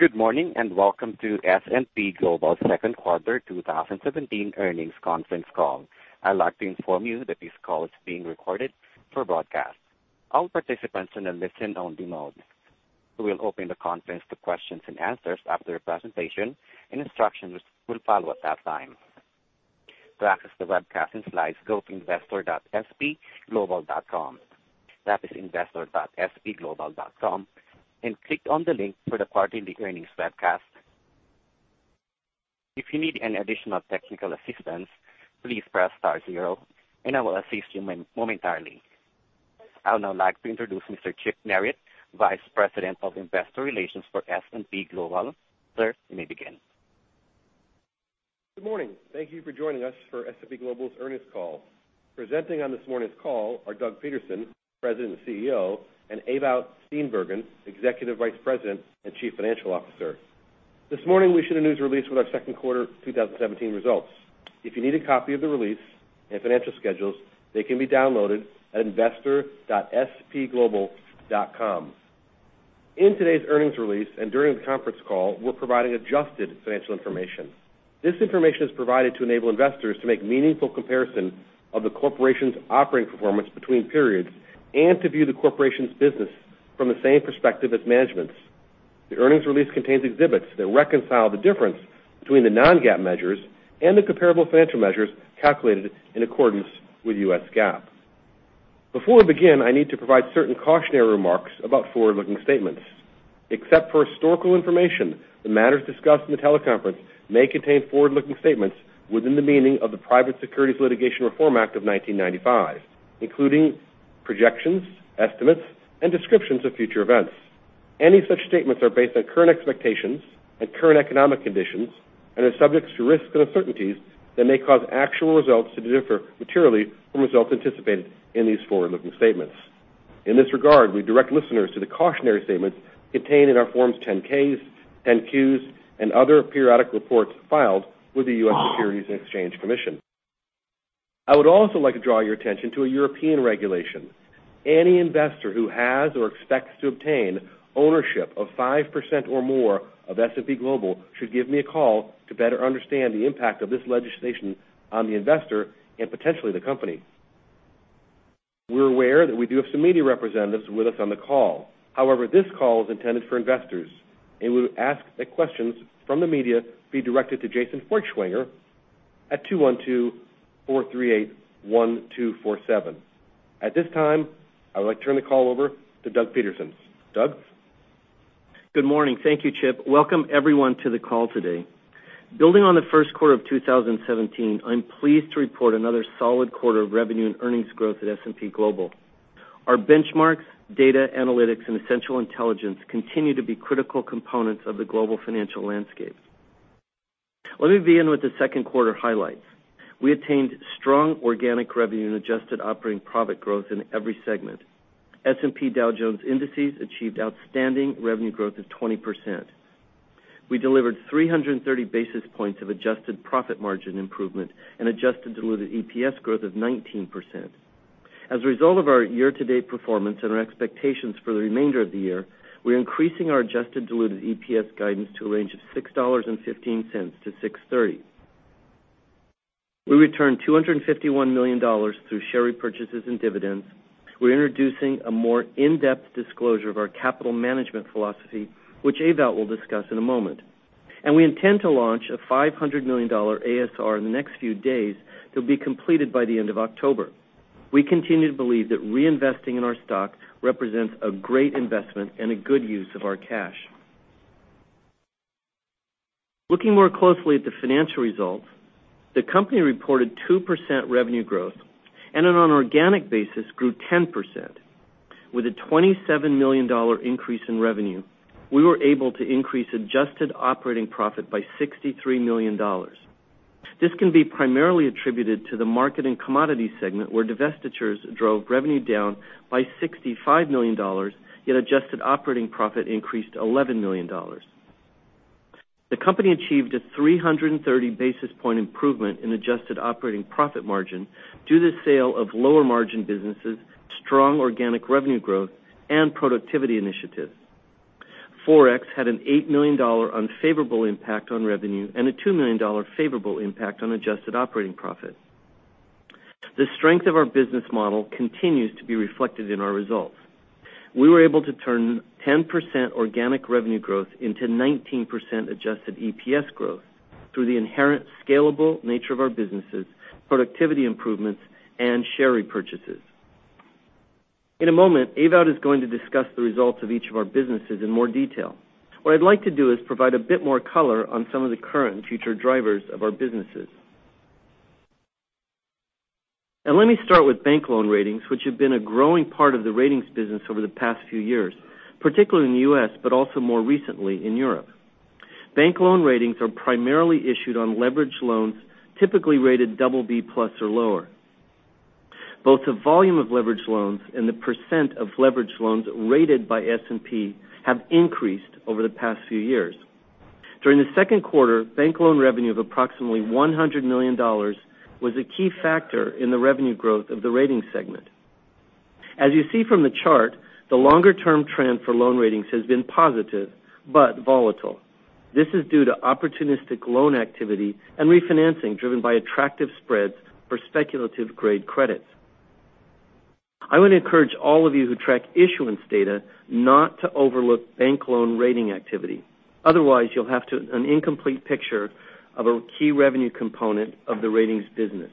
Good morning, and welcome to S&P Global's second quarter 2017 earnings conference call. I'd like to inform you that this call is being recorded for broadcast. All participants are in listen-only mode. We will open the conference to questions and answers after the presentation, and instructions will follow at that time. To access the webcast and slides, go to investor.spglobal.com. That is investor.spglobal.com and click on the link for the quarterly earnings webcast. If you need any additional technical assistance, please press star zero and I will assist you momentarily. I would now like to introduce Mr. Chip Merritt, Vice President of Investor Relations for S&P Global. Sir, you may begin. Good morning. Thank you for joining us for S&P Global's earnings call. Presenting on this morning's call are Doug Peterson, President and CEO, and Ewout Steenbergen, Executive Vice President and Chief Financial Officer. This morning, we issued a news release with our second quarter 2017 results. If you need a copy of the release and financial schedules, they can be downloaded at investor.spglobal.com. In today's earnings release and during the conference call, we're providing adjusted financial information. This information is provided to enable investors to make meaningful comparison of the corporation's operating performance between periods and to view the corporation's business from the same perspective as management's. The earnings release contains exhibits that reconcile the difference between the non-GAAP measures and the comparable financial measures calculated in accordance with U.S. GAAP. Before we begin, I need to provide certain cautionary remarks about forward-looking statements. Except for historical information, the matters discussed in the teleconference may contain forward-looking statements within the meaning of the Private Securities Litigation Reform Act of 1995, including projections, estimates, and descriptions of future events. Any such statements are based on current expectations and current economic conditions and are subject to risks and uncertainties that may cause actual results to differ materially from results anticipated in these forward-looking statements. In this regard, we direct listeners to the cautionary statements contained in our Forms 10-Ks, 10-Qs, and other periodic reports filed with the U.S. Securities and Exchange Commission. I would also like to draw your attention to a European regulation. Any investor who has or expects to obtain ownership of 5% or more of S&P Global should give me a call to better understand the impact of this legislation on the investor and potentially the company. This call is intended for investors, and we would ask that questions from the media be directed to Jason Feuchtwanger at 212-438-1247. At this time, I would like to turn the call over to Doug Peterson. Doug? Good morning. Thank you, Chip. Welcome everyone to the call today. Building on the first quarter of 2017, I'm pleased to report another solid quarter of revenue and earnings growth at S&P Global. Our benchmarks, data analytics, and essential intelligence continue to be critical components of the global financial landscape. Let me begin with the second quarter highlights. We attained strong organic revenue and adjusted operating profit growth in every segment. S&P Dow Jones Indices achieved outstanding revenue growth of 20%. We delivered 330 basis points of adjusted profit margin improvement and adjusted diluted EPS growth of 19%. As a result of our year-to-date performance and our expectations for the remainder of the year, we're increasing our adjusted diluted EPS guidance to a range of $6.15 to $6.30. We returned $251 million through share repurchases and dividends. We're introducing a more in-depth disclosure of our capital management philosophy, which Ewout will discuss in a moment. We intend to launch a $500 million ASR in the next few days that will be completed by the end of October. We continue to believe that reinvesting in our stock represents a great investment and a good use of our cash. Looking more closely at the financial results, the company reported 2% revenue growth, and on an organic basis, grew 10%, with a $27 million increase in revenue. We were able to increase adjusted operating profit by $63 million. This can be primarily attributed to the Market and Commodities segment, where divestitures drove revenue down by $65 million, yet adjusted operating profit increased $11 million. The company achieved a 330-basis point improvement in adjusted operating profit margin due to the sale of lower-margin businesses, strong organic revenue growth, and productivity initiatives. Forex had an $8 million unfavorable impact on revenue and a $2 million favorable impact on adjusted operating profit. The strength of our business model continues to be reflected in our results. We were able to turn 10% organic revenue growth into 19% adjusted EPS growth through the inherent scalable nature of our businesses, productivity improvements, and share repurchases. In a moment, Ewout is going to discuss the results of each of our businesses in more detail. What I'd like to do is provide a bit more color on some of the current and future drivers of our businesses. Let me start with bank loan ratings, which have been a growing part of the ratings business over the past few years, particularly in the U.S., but also more recently in Europe. Bank loan ratings are primarily issued on leveraged loans, typically rated BBB+ or lower. Both the volume of leveraged loans and the percent of leveraged loans rated by S&P have increased over the past few years. During the second quarter, bank loan revenue of approximately $100 million was a key factor in the revenue growth of the ratings segment. As you see from the chart, the longer-term trend for loan ratings has been positive but volatile. This is due to opportunistic loan activity and refinancing driven by attractive spreads for speculative grade credits. I would encourage all of you who track issuance data not to overlook bank loan rating activity. Otherwise, you'll have an incomplete picture of a key revenue component of the ratings business.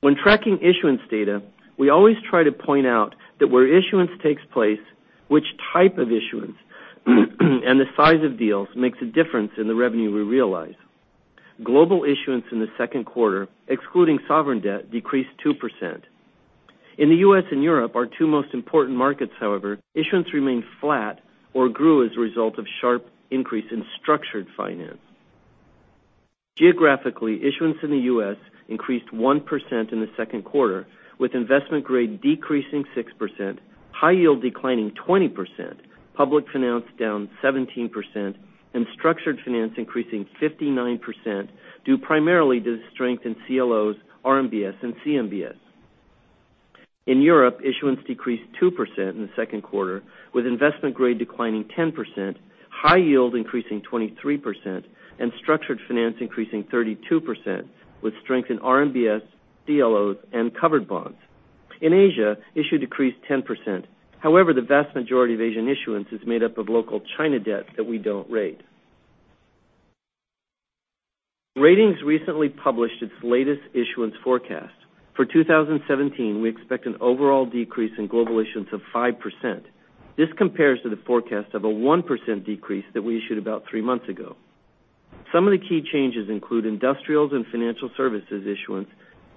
When tracking issuance data, we always try to point out that where issuance takes place, which type of issuance, and the size of deals makes a difference in the revenue we realize. Global issuance in the second quarter, excluding sovereign debt, decreased 2%. In the U.S. and Europe, our two most important markets, however, issuance remained flat or grew as a result of sharp increase in structured finance. Geographically, issuance in the U.S. increased 1% in the second quarter, with investment grade decreasing 6%, high yield declining 20%, public finance down 17%, and structured finance increasing 59%, due primarily to the strength in CLOs, RMBS, and CMBS. In Europe, issuance decreased 2% in the second quarter, with investment grade declining 10%, high yield increasing 23%, and structured finance increasing 32%, with strength in RMBS, CLOs, and covered bonds. In Asia, issuance decreased 10%. The vast majority of Asian issuance is made up of local China debt that we don't rate. Ratings recently published its latest issuance forecast. For 2017, we expect an overall decrease in global issuance of 5%. This compares to the forecast of a 1% decrease that we issued about three months ago. Some of the key changes include industrials and financial services issuance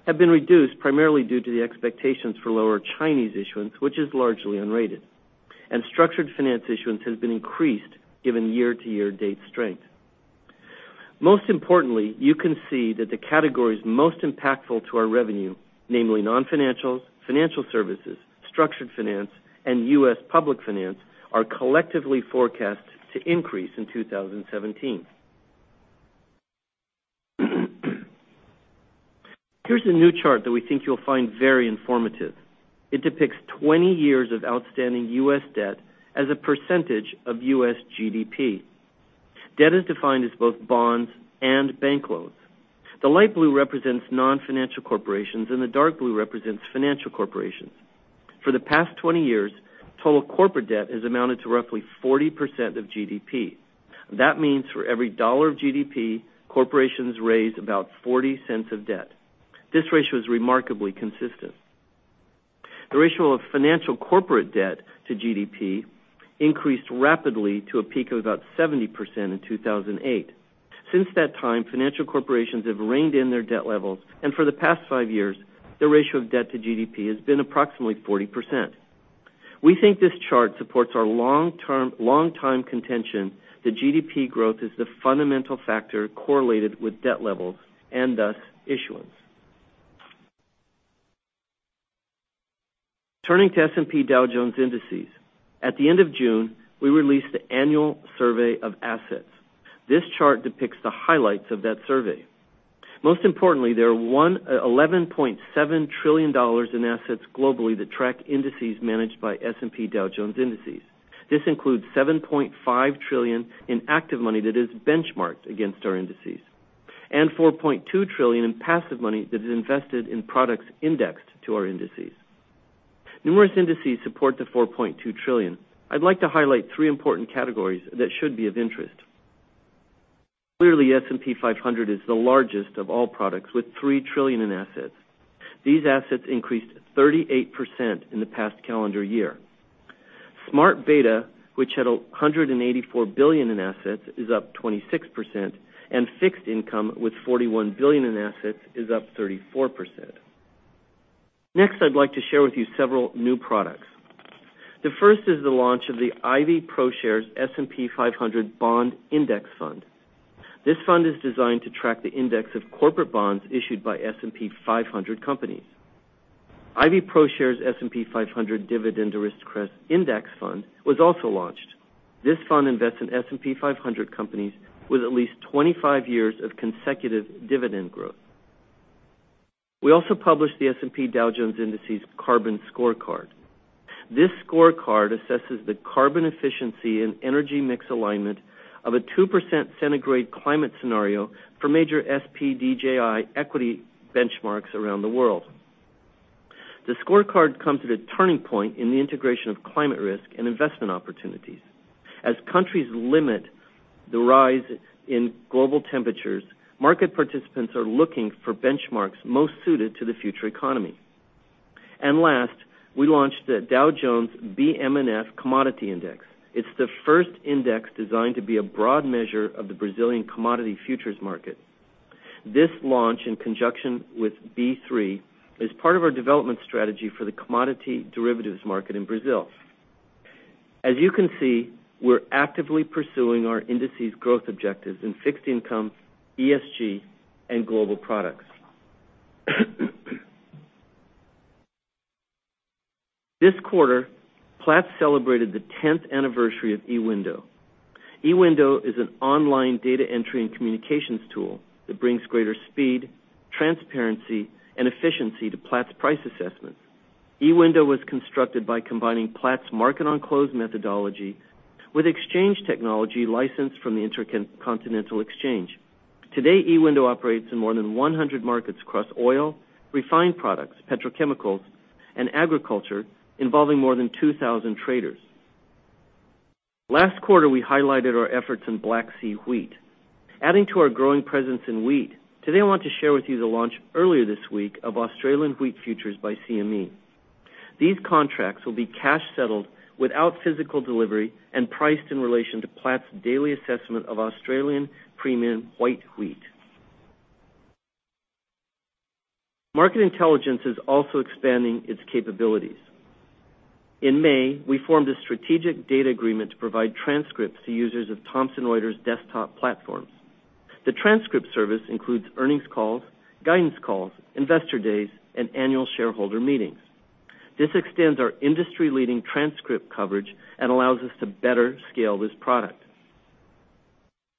have been reduced primarily due to the expectations for lower Chinese issuance, which is largely unrated. Structured finance issuance has been increased given year-to-date strength. Most importantly, you can see that the categories most impactful to our revenue, namely non-financial, financial services, structured finance, and U.S. public finance, are collectively forecast to increase in 2017. Here's a new chart that we think you'll find very informative. It depicts 20 years of outstanding U.S. debt as a percentage of U.S. GDP. Debt is defined as both bonds and bank loans. The light blue represents non-financial corporations, and the dark blue represents financial corporations. For the past 20 years, total corporate debt has amounted to roughly 40% of GDP. That means for every dollar of GDP, corporations raise about $0.40 of debt. This ratio is remarkably consistent. The ratio of financial corporate debt to GDP increased rapidly to a peak of about 70% in 2008. Since that time, financial corporations have reined in their debt levels, and for the past five years, the ratio of debt to GDP has been approximately 40%. We think this chart supports our long-time contention that GDP growth is the fundamental factor correlated with debt levels and thus issuance. Turning to S&P Dow Jones Indices. At the end of June, we released the annual survey of assets. This chart depicts the highlights of that survey. Most importantly, there are $11.7 trillion in assets globally that track indices managed by S&P Dow Jones Indices. This includes $7.5 trillion in active money that is benchmarked against our indices, and $4.2 trillion in passive money that is invested in products indexed to our indices. Numerous indices support the $4.2 trillion. I'd like to highlight three important categories that should be of interest. Clearly, S&P 500 is the largest of all products, with $3 trillion in assets. These assets increased 38% in the past calendar year. Smart Beta, which had $184 billion in assets, is up 26%, and fixed income, with $41 billion in assets, is up 34%. Next, I'd like to share with you several new products. The first is the launch of the Ivy ProShares S&P 500 Bond Index Fund. This fund is designed to track the index of corporate bonds issued by S&P 500 companies. Ivy ProShares S&P 500 Dividend Aristocrats Index Fund was also launched. This fund invests in S&P 500 companies with at least 25 years of consecutive dividend growth. We also published the S&P Dow Jones Indices Carbon Scorecard. This scorecard assesses the carbon efficiency and energy mix alignment of a 2% centigrade climate scenario for major SPDJI equity benchmarks around the world. The scorecard comes at a turning point in the integration of climate risk and investment opportunities. As countries limit the rise in global temperatures, market participants are looking for benchmarks most suited to the future economy. Last, we launched the Dow Jones BM&F Commodity Index. It's the first index designed to be a broad measure of the Brazilian commodity futures market. This launch, in conjunction with B3, is part of our development strategy for the commodity derivatives market in Brazil. As you can see, we're actively pursuing our indices growth objectives in fixed income, ESG, and global products. This quarter, Platts celebrated the 10th anniversary of eWindow. eWindow is an online data entry and communications tool that brings greater speed, transparency, and efficiency to Platts' price assessments. eWindow was constructed by combining Platts' market-on-close methodology with exchange technology licensed from the Intercontinental Exchange. Today, eWindow operates in more than 100 markets across oil, refined products, petrochemicals, and agriculture, involving more than 2,000 traders. Last quarter, we highlighted our efforts in Black Sea wheat. Adding to our growing presence in wheat, today I want to share with you the launch earlier this week of Australian wheat futures by CME. These contracts will be cash-settled without physical delivery and priced in relation to Platts' daily assessment of Australian premium white wheat. Market Intelligence is also expanding its capabilities. In May, we formed a strategic data agreement to provide transcripts to users of Thomson Reuters' desktop platforms. The transcript service includes earnings calls, guidance calls, investor days, and annual shareholder meetings. This extends our industry-leading transcript coverage and allows us to better scale this product.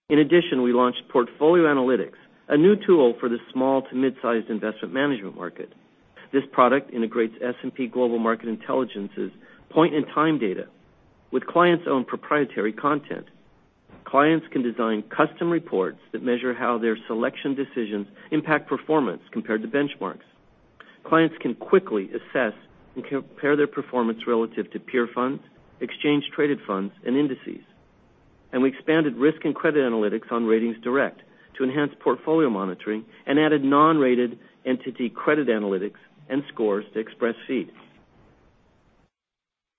In addition, we launched Portfolio Analytics, a new tool for the small to mid-sized investment management market. This product integrates S&P Global Market Intelligence's point-in-time data with clients' own proprietary content. Clients can design custom reports that measure how their selection decisions impact performance compared to benchmarks. Clients can quickly assess and compare their performance relative to peer funds, exchange-traded funds, and indices. We expanded risk and credit analytics on RatingsDirect to enhance portfolio monitoring and added non-rated entity credit analytics and scores to Xpressfeed.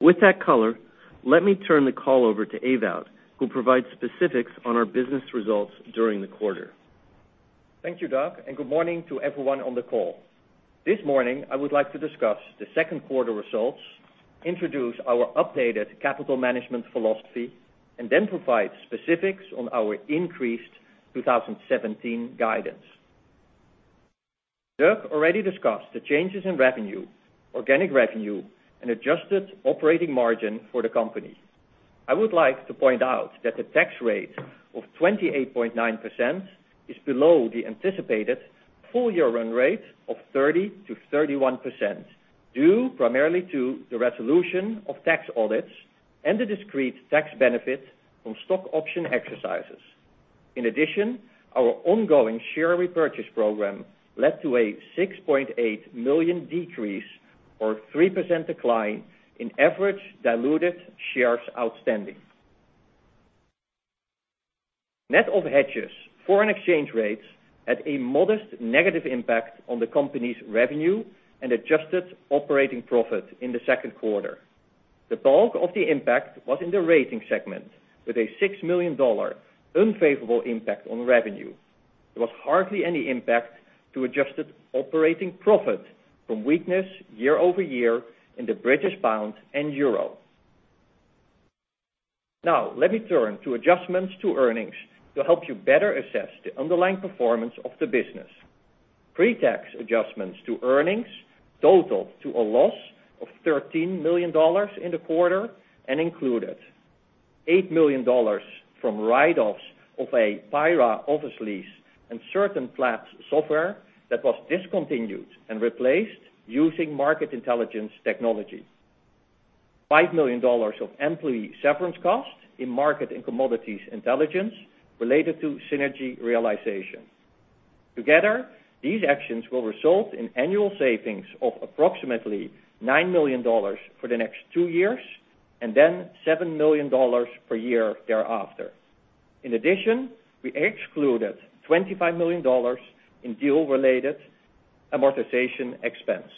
With that color, let me turn the call over to Ewout, who'll provide specifics on our business results during the quarter. Thank you, Doug. Good morning to everyone on the call. This morning, I would like to discuss the second quarter results, introduce our updated capital management philosophy, then provide specifics on our increased 2017 guidance. Doug already discussed the changes in revenue, organic revenue, and adjusted operating margin for the company. I would like to point out that the tax rate of 28.9% is below the anticipated full-year run rate of 30%-31%, due primarily to the resolution of tax audits and the discrete tax benefit from stock option exercises. In addition, our ongoing share repurchase program led to a 6.8 million decrease or 3% decline in average diluted shares outstanding. Net of hedges, foreign exchange rates had a modest negative impact on the company's revenue and adjusted operating profit in the second quarter. The bulk of the impact was in the Ratings segment, with a $6 million unfavorable impact on revenue. There was hardly any impact to adjusted operating profit from weakness year-over-year in the British pound and euro. Now, let me turn to adjustments to earnings to help you better assess the underlying performance of the business. Pre-tax adjustments to earnings totaled to a loss of $13 million in the quarter and included $8 million from write-offs of a PIRA office lease and certain Platts software that was discontinued and replaced using Market Intelligence technology. $5 million of employee severance costs in Market and Commodities Intelligence related to synergy realization. Together, these actions will result in annual savings of approximately $9 million for the next two years, and then $7 million per year thereafter. In addition, we excluded $25 million in deal-related amortization expense.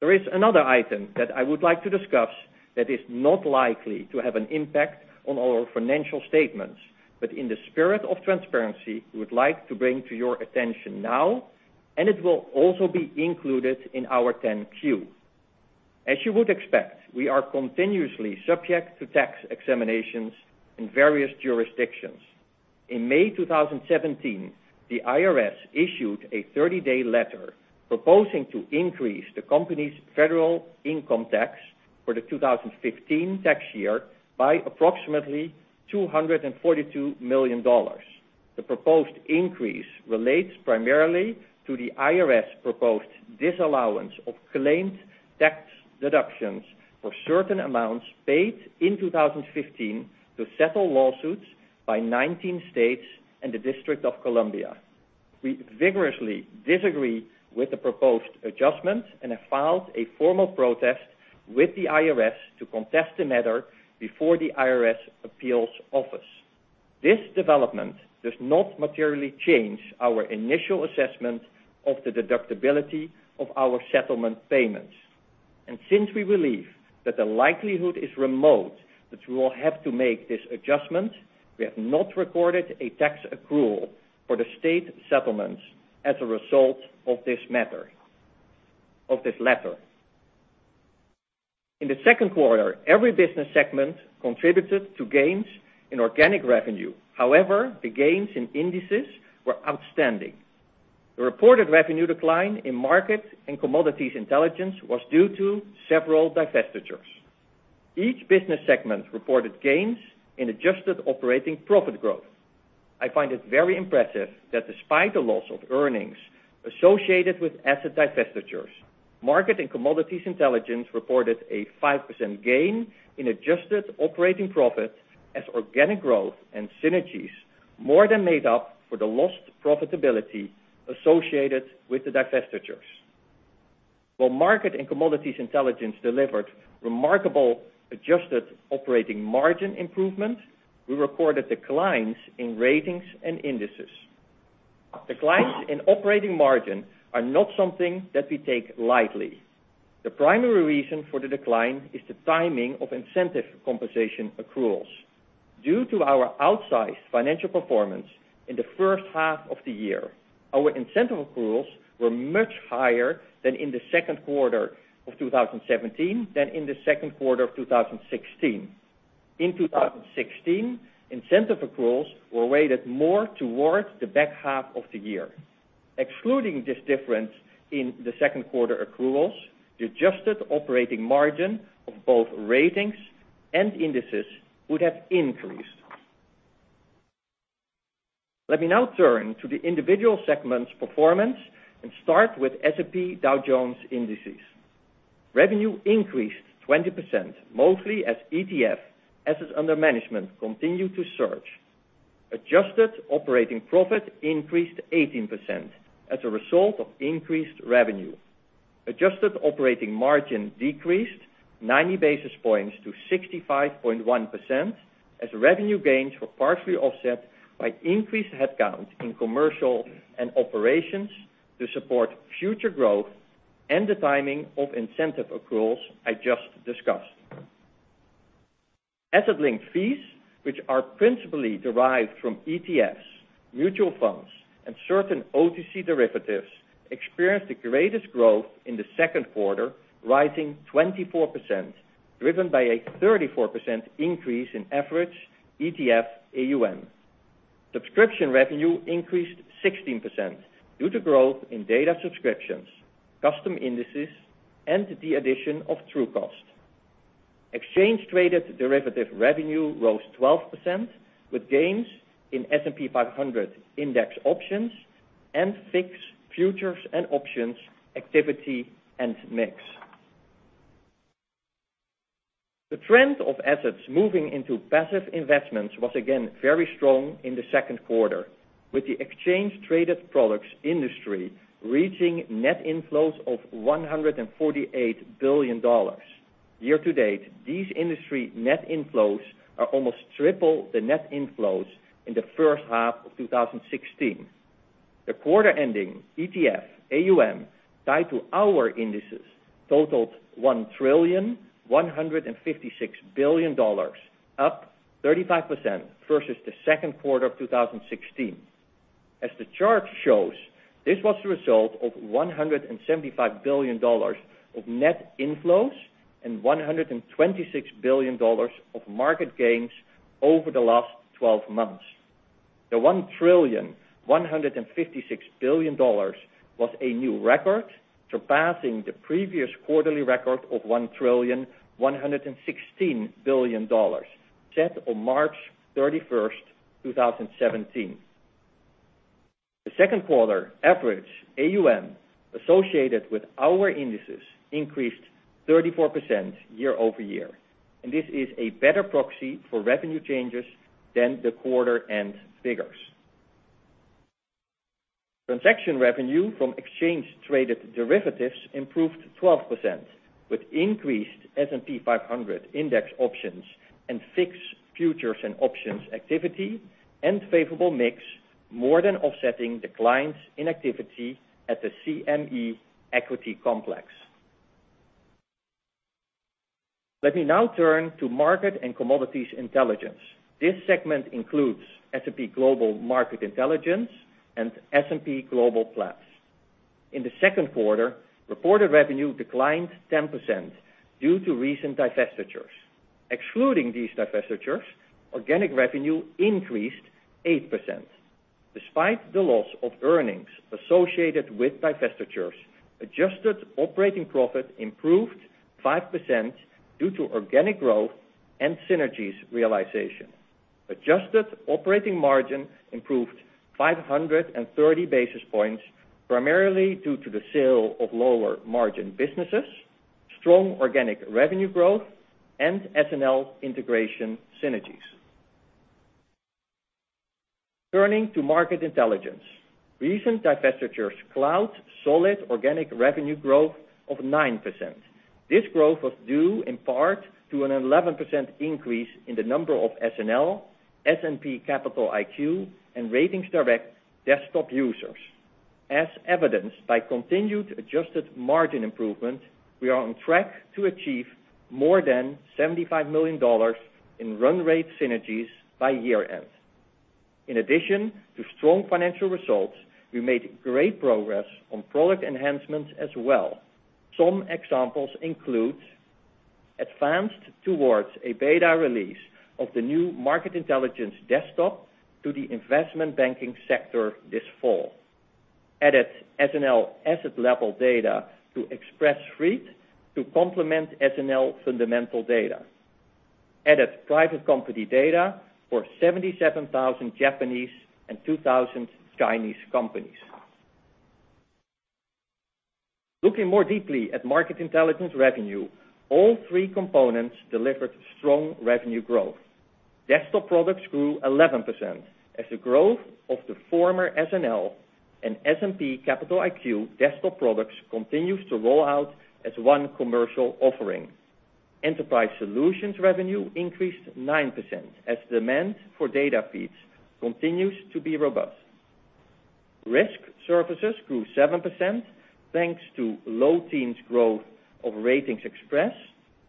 There is another item that I would like to discuss that is not likely to have an impact on our financial statements, but in the spirit of transparency, we would like to bring to your attention now, and it will also be included in our 10-Q. As you would expect, we are continuously subject to tax examinations in various jurisdictions. In May 2017, the IRS issued a 30-day letter proposing to increase the company's federal income tax for the 2015 tax year by approximately $242 million. The proposed increase relates primarily to the IRS's proposed disallowance of claimed tax deductions for certain amounts paid in 2015 to settle lawsuits by 19 states and the District of Columbia. We vigorously disagree with the proposed adjustment and have filed a formal protest with the IRS to contest the matter before the IRS Appeals Office. This development does not materially change our initial assessment of the deductibility of our settlement payments. Since we believe that the likelihood is remote that we will have to make this adjustment, we have not recorded a tax accrual for the state settlements as a result of this letter. In the second quarter, every business segment contributed to gains in organic revenue. However, the gains in Indices were outstanding. The reported revenue decline in Market and Commodities Intelligence was due to several divestitures. Each business segment reported gains in adjusted operating profit growth. I find it very impressive that despite the loss of earnings associated with asset divestitures, Market and Commodities Intelligence reported a 5% gain in adjusted operating profit as organic growth and synergies more than made up for the lost profitability associated with the divestitures. While Market and Commodities Intelligence delivered remarkable adjusted operating margin improvement, we recorded declines in Ratings and Indices. Declines in operating margin are not something that we take lightly. The primary reason for the decline is the timing of incentive compensation accruals. Due to our outsized financial performance in the first half of the year, our incentive accruals were much higher than in the second quarter of 2017 than in the second quarter of 2016. In 2016, incentive accruals were weighted more towards the back half of the year. Excluding this difference in the second quarter accruals, the adjusted operating margin of both Ratings and Indices would have increased. Let me now turn to the individual segments performance, and start with S&P Dow Jones Indices. Revenue increased 20%, mostly as ETF assets under management continued to surge. Adjusted operating profit increased 18% as a result of increased revenue. Adjusted operating margin decreased 90 basis points to 65.1% as revenue gains were partially offset by increased headcount in commercial and operations to support future growth and the timing of incentive accruals I just discussed. Asset-linked fees, which are principally derived from ETFs, mutual funds, and certain OTC derivatives, experienced the greatest growth in the second quarter, rising 24%, driven by a 34% increase in average ETF AUM. Subscription revenue increased 16% due to growth in data subscriptions, custom indices, and the addition of Trucost. Exchange-traded derivative revenue rose 12%, with gains in S&P 500 index options and fixed futures and options activity and mix. The trend of assets moving into passive investments was again very strong in the second quarter, with the exchange-traded products industry reaching net inflows of $148 billion. Year to date, these industry net inflows are almost triple the net inflows in the first half of 2016. The quarter-ending ETF AUM tied to our indices totaled $1.156 trillion, up 35% versus the second quarter of 2016. As the chart shows, this was the result of $175 billion of net inflows and $126 billion of market gains over the last 12 months. The $1.156 trillion was a new record, surpassing the previous quarterly record of $1.116 trillion, set on March 31st, 2017. The second quarter average AUM associated with our indices increased 34% year-over-year. This is a better proxy for revenue changes than the quarter-end figures. Transaction revenue from exchange-traded derivatives improved 12%, with increased S&P 500 index options and fixed futures and options activity, and favorable mix more than offsetting declines in activity at the CME equity complex. Let me now turn to Market and Commodities Intelligence. This segment includes S&P Global Market Intelligence and S&P Global Platts. In the second quarter, reported revenue declined 10% due to recent divestitures. Excluding these divestitures, organic revenue increased 8%. Despite the loss of earnings associated with divestitures, adjusted operating profit improved 5% due to organic growth and synergies realization. Adjusted operating margin improved 530 basis points, primarily due to the sale of lower-margin businesses, strong organic revenue growth, and SNL integration synergies. Turning to Market Intelligence. Recent divestitures cloud solid organic revenue growth of 9%. This growth was due in part to an 11% increase in the number of SNL, S&P Capital IQ, and RatingsDirect desktop users. As evidenced by continued adjusted margin improvement, we are on track to achieve more than $75 million in run rate synergies by year-end. In addition to strong financial results, we made great progress on product enhancements as well. Some examples include advanced towards a beta release of the new Market Intelligence desktop to the investment banking sector this fall. Added SNL asset-level data to Xpressfeed to complement SNL fundamental data. Added private company data for 77,000 Japanese and 2,000 Chinese companies. Looking more deeply at Market Intelligence revenue, all three components delivered strong revenue growth. Desktop products grew 11% as the growth of the former SNL and S&P Capital IQ desktop products continues to roll out as one commercial offering. Enterprise solutions revenue increased 9% as demand for data feeds continues to be robust. Risk services grew 7%, thanks to low teens growth of RatingsXpress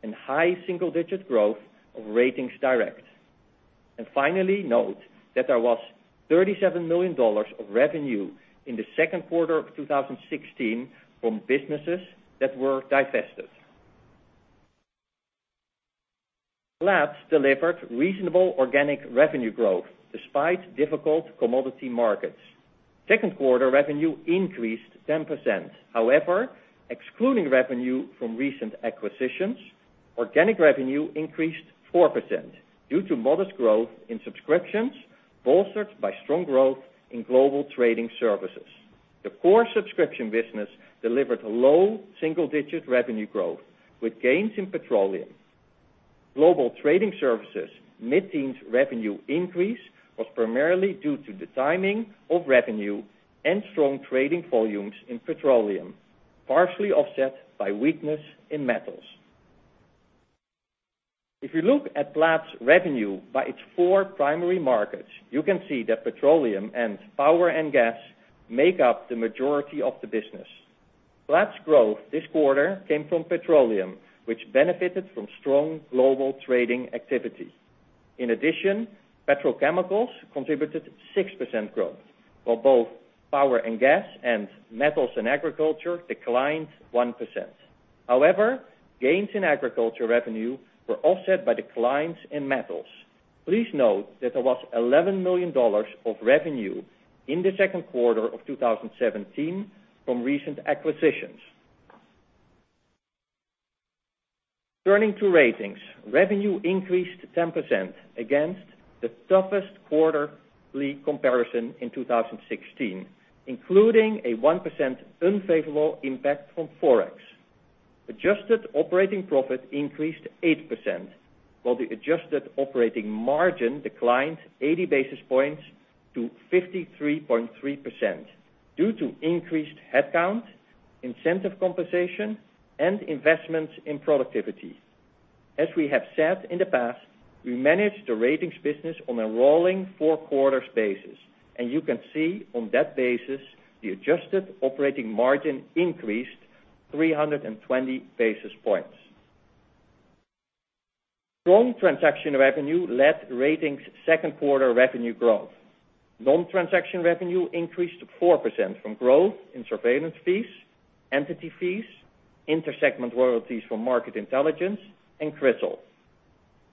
and high single-digit growth of RatingsDirect. And finally, note that there was $37 million of revenue in the second quarter of 2016 from businesses that were divested. Platts delivered reasonable organic revenue growth despite difficult commodity markets. Second quarter revenue increased 10%. However, excluding revenue from recent acquisitions, organic revenue increased 4% due to modest growth in subscriptions, bolstered by strong growth in global trading services. The core subscription business delivered low single-digit revenue growth with gains in petroleum. Global trading services mid-teens revenue increase was primarily due to the timing of revenue and strong trading volumes in petroleum, partially offset by weakness in metals. If you look at Platts revenue by its four primary markets, you can see that petroleum and power and gas make up the majority of the business. Platts growth this quarter came from petroleum, which benefited from strong global trading activity. In addition, petrochemicals contributed 6% growth, while both power and gas and metals and agriculture declined 1%. However, gains in agriculture revenue were offset by declines in metals. Please note that there was $11 million of revenue in the second quarter of 2017 from recent acquisitions. Turning to Ratings, revenue increased 10% against the toughest quarterly comparison in 2016, including a 1% unfavorable impact from Forex. Adjusted operating profit increased 8%, while the adjusted operating margin declined 80 basis points to 53.3% due to increased headcount, incentive compensation, and investments in productivity. As we have said in the past, we manage the Ratings business on a rolling four-quarters basis, and you can see on that basis the adjusted operating margin increased 320 basis points. Strong transaction revenue led Ratings' second quarter revenue growth. Non-transaction revenue increased 4% from growth in surveillance fees, entity fees, intersegment royalties from Market Intelligence, and CRISIL.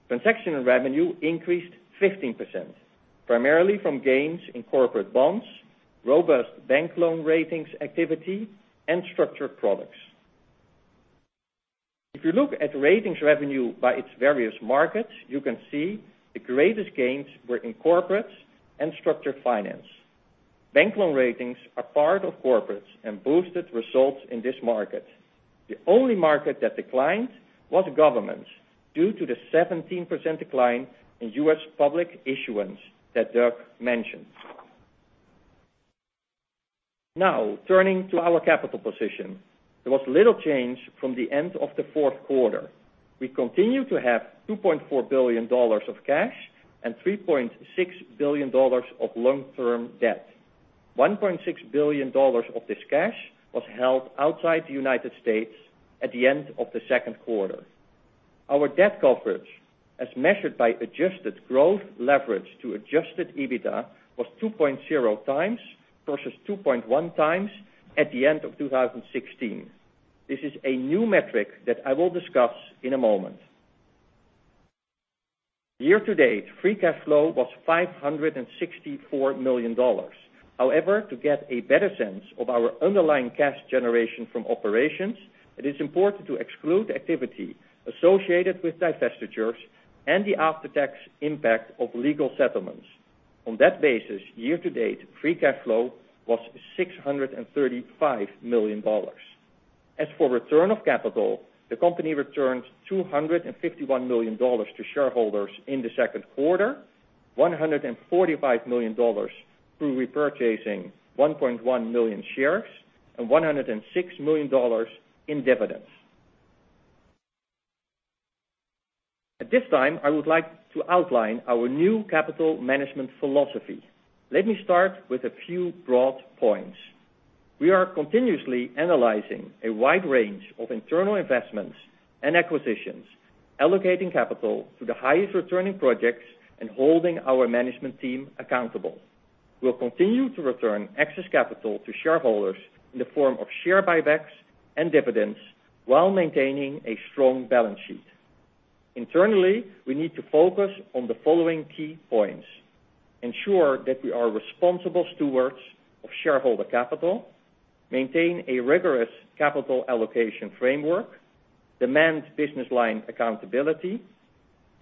Transaction revenue increased 15%, primarily from gains in corporate bonds, robust bank loan ratings activity, and structured products. If you look at Ratings revenue by its various markets, you can see the greatest gains were in corporate and structured finance. Bank loan ratings are part of corporates and boosted results in this market. The only market that declined was government, due to the 17% decline in U.S. public issuance that Doug mentioned. Now, turning to our capital position. There was little change from the end of the fourth quarter. We continue to have $2.4 billion of cash and $3.6 billion of long-term debt. $1.6 billion of this cash was held outside the United States at the end of the second quarter. Our debt coverage, as measured by adjusted gross leverage to adjusted EBITDA, was 2.0 times versus 2.1 times at the end of 2016. This is a new metric that I will discuss in a moment. Year to date, free cash flow was $564 million. However, to get a better sense of our underlying cash generation from operations, it is important to exclude activity associated with divestitures and the after-tax impact of legal settlements. On that basis, year to date, free cash flow was $635 million. As for return of capital, the company returned $251 million to shareholders in the second quarter, $145 million through repurchasing 1.1 million shares, and $106 million in dividends. At this time, I would like to outline our new capital management philosophy. Let me start with a few broad points. We are continuously analyzing a wide range of internal investments and acquisitions, allocating capital to the highest returning projects, and holding our management team accountable. We'll continue to return excess capital to shareholders in the form of share buybacks and dividends while maintaining a strong balance sheet. Internally, we need to focus on the following key points: ensure that we are responsible stewards of shareholder capital, maintain a rigorous capital allocation framework, demand business line accountability,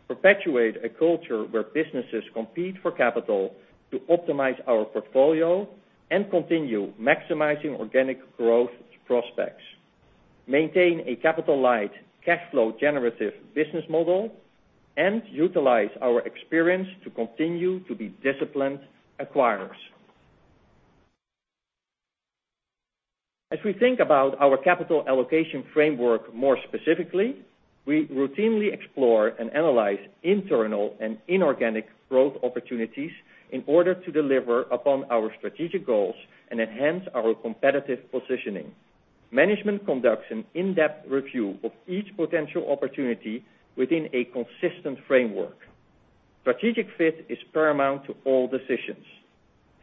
perpetuate a culture where businesses compete for capital to optimize our portfolio, and continue maximizing organic growth prospects, maintain a capital-light cash flow generative business model, and utilize our experience to continue to be disciplined acquirers. As we think about our capital allocation framework more specifically, we routinely explore and analyze internal and inorganic growth opportunities in order to deliver upon our strategic goals and enhance our competitive positioning. Management conducts an in-depth review of each potential opportunity within a consistent framework. Strategic fit is paramount to all decisions.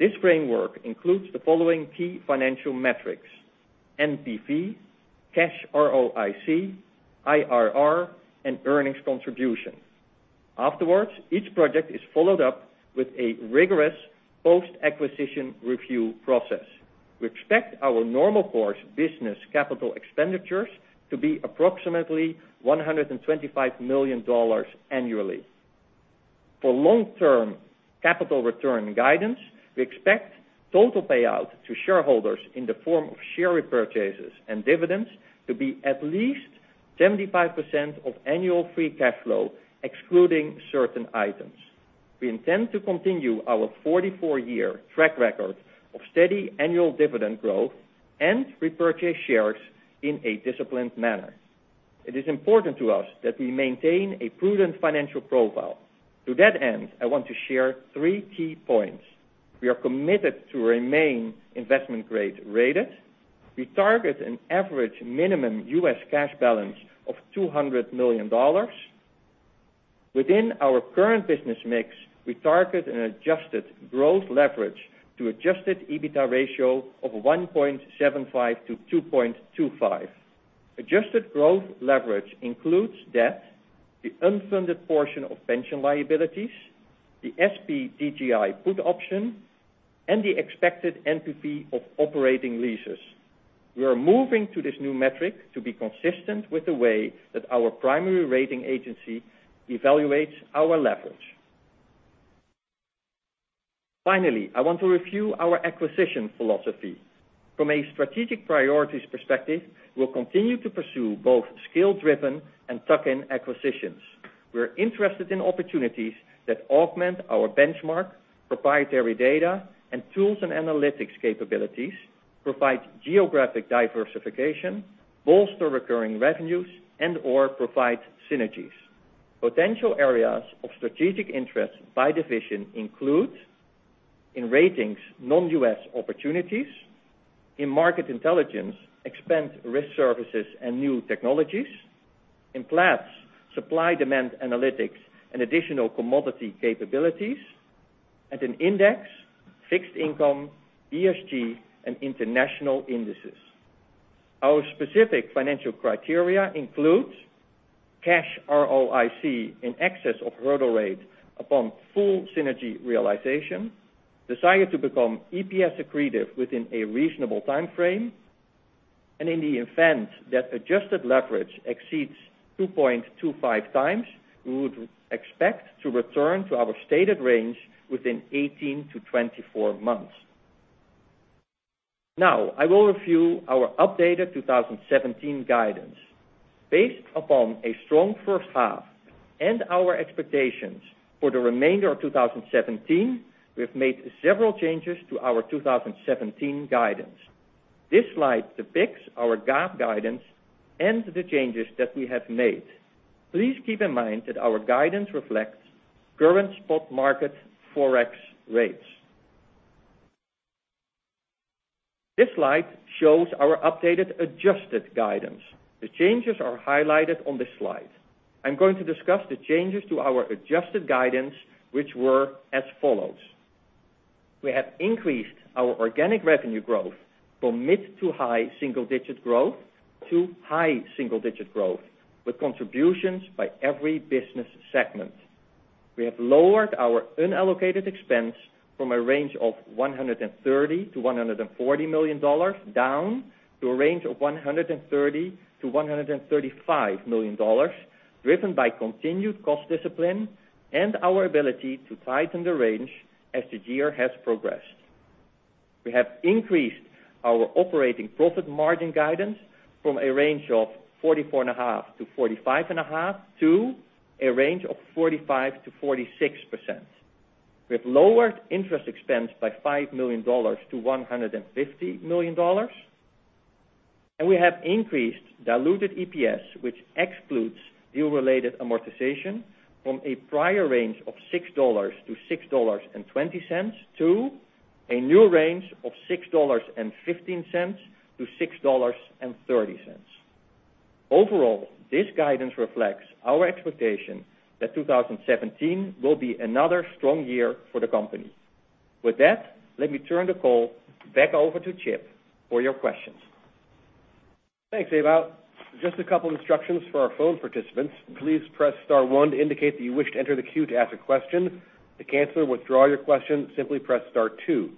This framework includes the following key financial metrics: NPV, cash ROIC, IRR, and earnings contribution. Afterwards, each project is followed up with a rigorous post-acquisition review process. We expect our normal course business capital expenditures to be approximately $125 million annually. For long-term capital return guidance, we expect total payout to shareholders in the form of share repurchases and dividends to be at least 75% of annual free cash flow, excluding certain items. We intend to continue our 44-year track record of steady annual dividend growth and repurchase shares in a disciplined manner. It is important to us that we maintain a prudent financial profile. To that end, I want to share three key points. We are committed to remain investment-grade rated. We target an average minimum U.S. cash balance of $200 million. Within our current business mix, we target an adjusted gross leverage to adjusted EBITDA ratio of 1.75 to 2.25. Adjusted growth leverage includes debt, the unfunded portion of pension liabilities, the SPDJI put option, and the expected NPV of operating leases. We are moving to this new metric to be consistent with the way that our primary rating agency evaluates our leverage. Finally, I want to review our acquisition philosophy. From a strategic priorities perspective, we'll continue to pursue both skill-driven and tuck-in acquisitions. We're interested in opportunities that augment our benchmark, proprietary data, and tools and analytics capabilities, provide geographic diversification, bolster recurring revenues, and/or provide synergies. Potential areas of strategic interest by division include, in Ratings, non-U.S. opportunities. In Market Intelligence, expand risk services and new technologies. In Platts, supply-demand analytics, and additional commodity capabilities. In Index, fixed income, ESG, and international indices. Our specific financial criteria includes cash ROIC in excess of hurdle rate upon full synergy realization, desire to become EPS accretive within a reasonable time frame, and in the event that adjusted leverage exceeds 2.25 times, we would expect to return to our stated range within 18 to 24 months. Now, I will review our updated 2017 guidance. Based upon a strong first half and our expectations for the remainder of 2017, we have made several changes to our 2017 guidance. This slide depicts our GAAP guidance and the changes that we have made. Please keep in mind that our guidance reflects current spot market Forex rates. This slide shows our updated adjusted guidance. The changes are highlighted on this slide. I'm going to discuss the changes to our adjusted guidance, which were as follows. We have increased our organic revenue growth from mid to high single-digit growth to high single-digit growth, with contributions by every business segment. We have lowered our unallocated expense from a range of $130 million-$140 million, down to a range of $130 million-$135 million, driven by continued cost discipline and our ability to tighten the range as the year has progressed. We have increased our operating profit margin guidance from a range of 44.5%-45.5% to a range of 45%-46%. We have lowered interest expense by $5 million to $150 million. We have increased diluted EPS, which excludes deal-related amortization from a prior range of $6-$6.20 to a new range of $6.15-$6.30. Overall, this guidance reflects our expectation that 2017 will be another strong year for the company. With that, let me turn the call back over to Chip for your questions. Thanks, Ewout. Just a couple instructions for our phone participants. Please press star one to indicate that you wish to enter the queue to ask a question. To cancel or withdraw your question, simply press star two.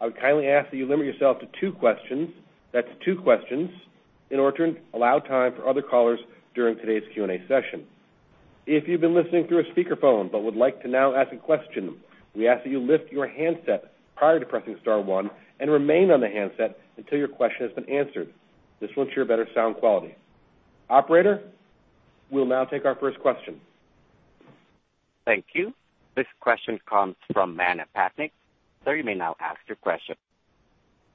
I would kindly ask that you limit yourself to two questions. That is two questions in order to allow time for other callers during today's Q&A session. If you have been listening through a speakerphone but would like to now ask a question, we ask that you lift your handset prior to pressing star one and remain on the handset until your question has been answered. This will ensure better sound quality. Operator, we will now take our first question. Thank you. This question comes from Manav Patnaik. Sir, you may now ask your question.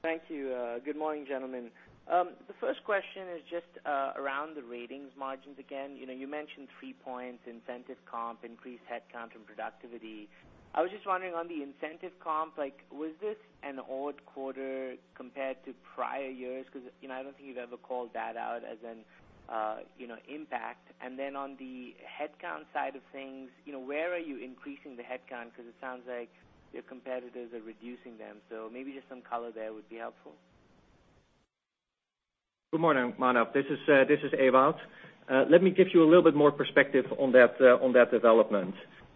Thank you. Good morning, gentlemen. The first question is just around the ratings margins again. You mentioned three points, incentive comp, increased headcount, and productivity. I was just wondering on the incentive comp, was this an odd quarter compared to prior years? I don't think you've ever called that out as an impact. On the headcount side of things, where are you increasing the headcount? It sounds like your competitors are reducing them. Maybe just some color there would be helpful. Good morning, Manav. This is Ewout. Let me give you a little bit more perspective on that development.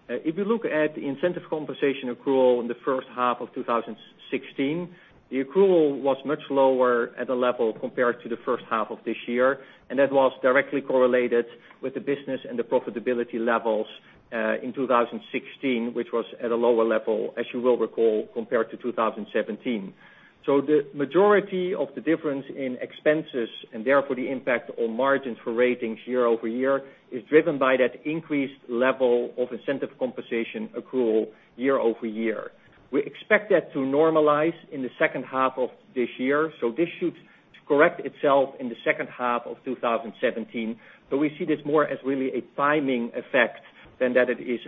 If you look at the incentive compensation accrual in the first half of 2016, the accrual was much lower at a level compared to the first half of this year, and that was directly correlated with the business and the profitability levels, in 2016, which was at a lower level, as you will recall, compared to 2017. The majority of the difference in expenses, and therefore the impact on margins for ratings year-over-year, is driven by that increased level of incentive compensation accrual year-over-year. We expect that to normalize in the second half of this year. This should correct itself in the second half of 2017, but we see this more as really a timing effect than that it is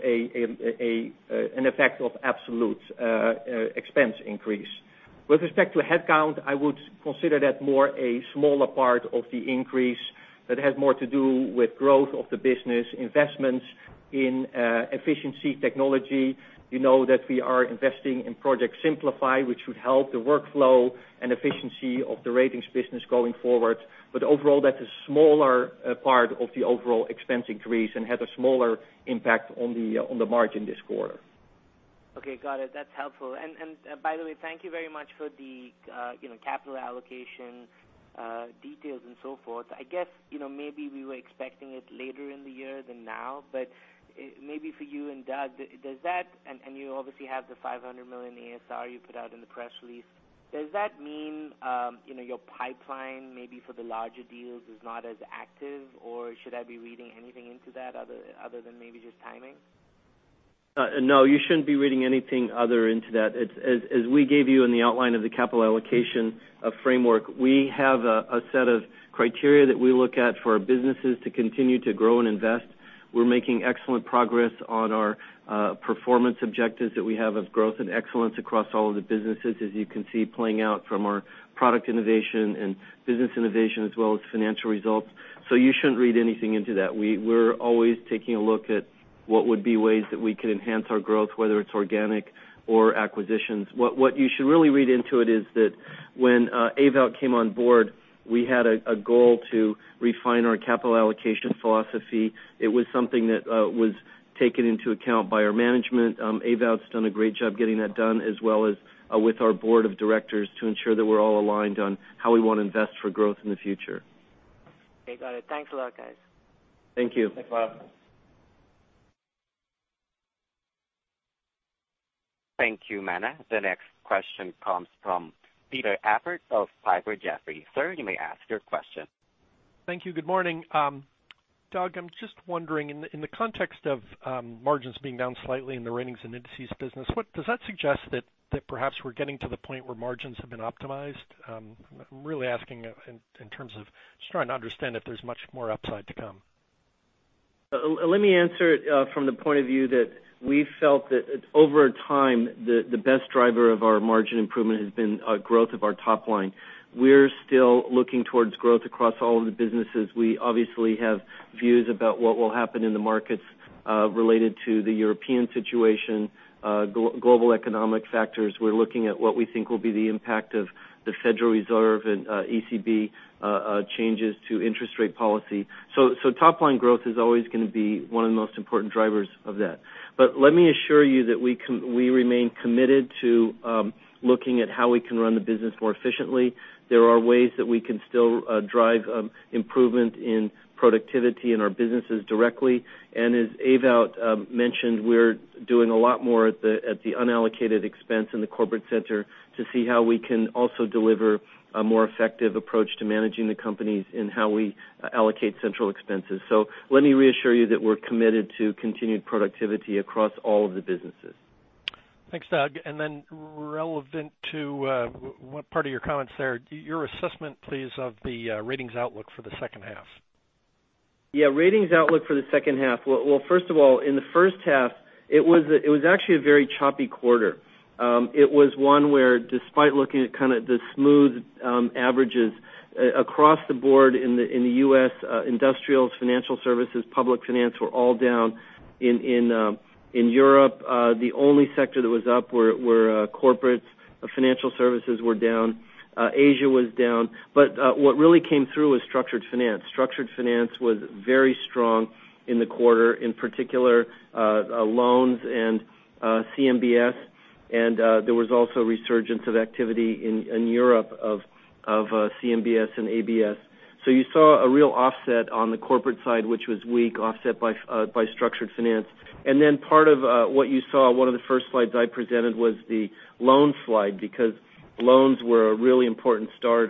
an effect of absolute expense increase. With respect to headcount, I would consider that more a smaller part of the increase that has more to do with growth of the business, investments in efficiency technology. You know that we are investing in Project Simplify, which should help the workflow and efficiency of the ratings business going forward. Overall, that's a smaller part of the overall expense increase and has a smaller impact on the margin this quarter. Okay, got it. That's helpful. By the way, thank you very much for the capital allocation details and so forth. I guess maybe we were expecting it later in the year than now, but maybe for you and Doug, you obviously have the $500 million ASR you put out in the press release. Does that mean your pipeline maybe for the larger deals is not as active, or should I be reading anything into that other than maybe just timing? No, you shouldn't be reading anything other into that. As we gave you in the outline of the capital allocation framework, we have a set of criteria that we look at for our businesses to continue to grow and invest. We're making excellent progress on our performance objectives that we have of growth and excellence across all of the businesses, as you can see playing out from our product innovation and business innovation as well as financial results. You shouldn't read anything into that. We're always taking a look at what would be ways that we could enhance our growth, whether it's organic or acquisitions. What you should really read into it is that when Ewout came on board, we had a goal to refine our capital allocation philosophy. It was something that was taken into account by our management. Ewout's done a great job getting that done, as well as with our board of directors to ensure that we're all aligned on how we want to invest for growth in the future. Okay, got it. Thanks a lot, guys. Thank you. Thanks a lot. Thank you, Manav. The next question comes from Peter Appert of Piper Jaffray. Sir, you may ask your question. Thank you. Good morning. Doug, I'm just wondering in the context of margins being down slightly in the ratings and indices business, does that suggest that perhaps we're getting to the point where margins have been optimized? I'm really asking in terms of just trying to understand if there's much more upside to come. Let me answer it from the point of view that we felt that over time, the best driver of our margin improvement has been growth of our top line. We're still looking towards growth across all of the businesses. We obviously have views about what will happen in the markets related to the European situation, global economic factors. We're looking at what we think will be the impact of the Federal Reserve and ECB changes to interest rate policy. Top-line growth is always going to be one of the most important drivers of that. Let me assure you that we remain committed to looking at how we can run the business more efficiently. There are ways that we can still drive improvement in productivity in our businesses directly. As Ewout mentioned, we're doing a lot more at the unallocated expense in the corporate center to see how we can also deliver a more effective approach to managing the companies in how we allocate central expenses. Let me reassure you that we're committed to continued productivity across all of the businesses. Thanks, Doug. Then relevant to what part of your comments there, your assessment, please, of the ratings outlook for the second half. Yeah. Ratings outlook for the second half. Well, first of all, in the first half, it was actually a very choppy quarter. It was one where despite looking at the smooth averages across the board in the U.S., industrials, financial services, public finance were all down. In Europe, the only sector that was up were corporates. Financial services were down. Asia was down. What really came through was structured finance. Structured finance was very strong in the quarter, in particular, loans and CMBS, and there was also resurgence of activity in Europe of CMBS and ABS. You saw a real offset on the corporate side, which was weak, offset by structured finance. Then part of what you saw, one of the first slides I presented was the loan slide, because loans were a really important story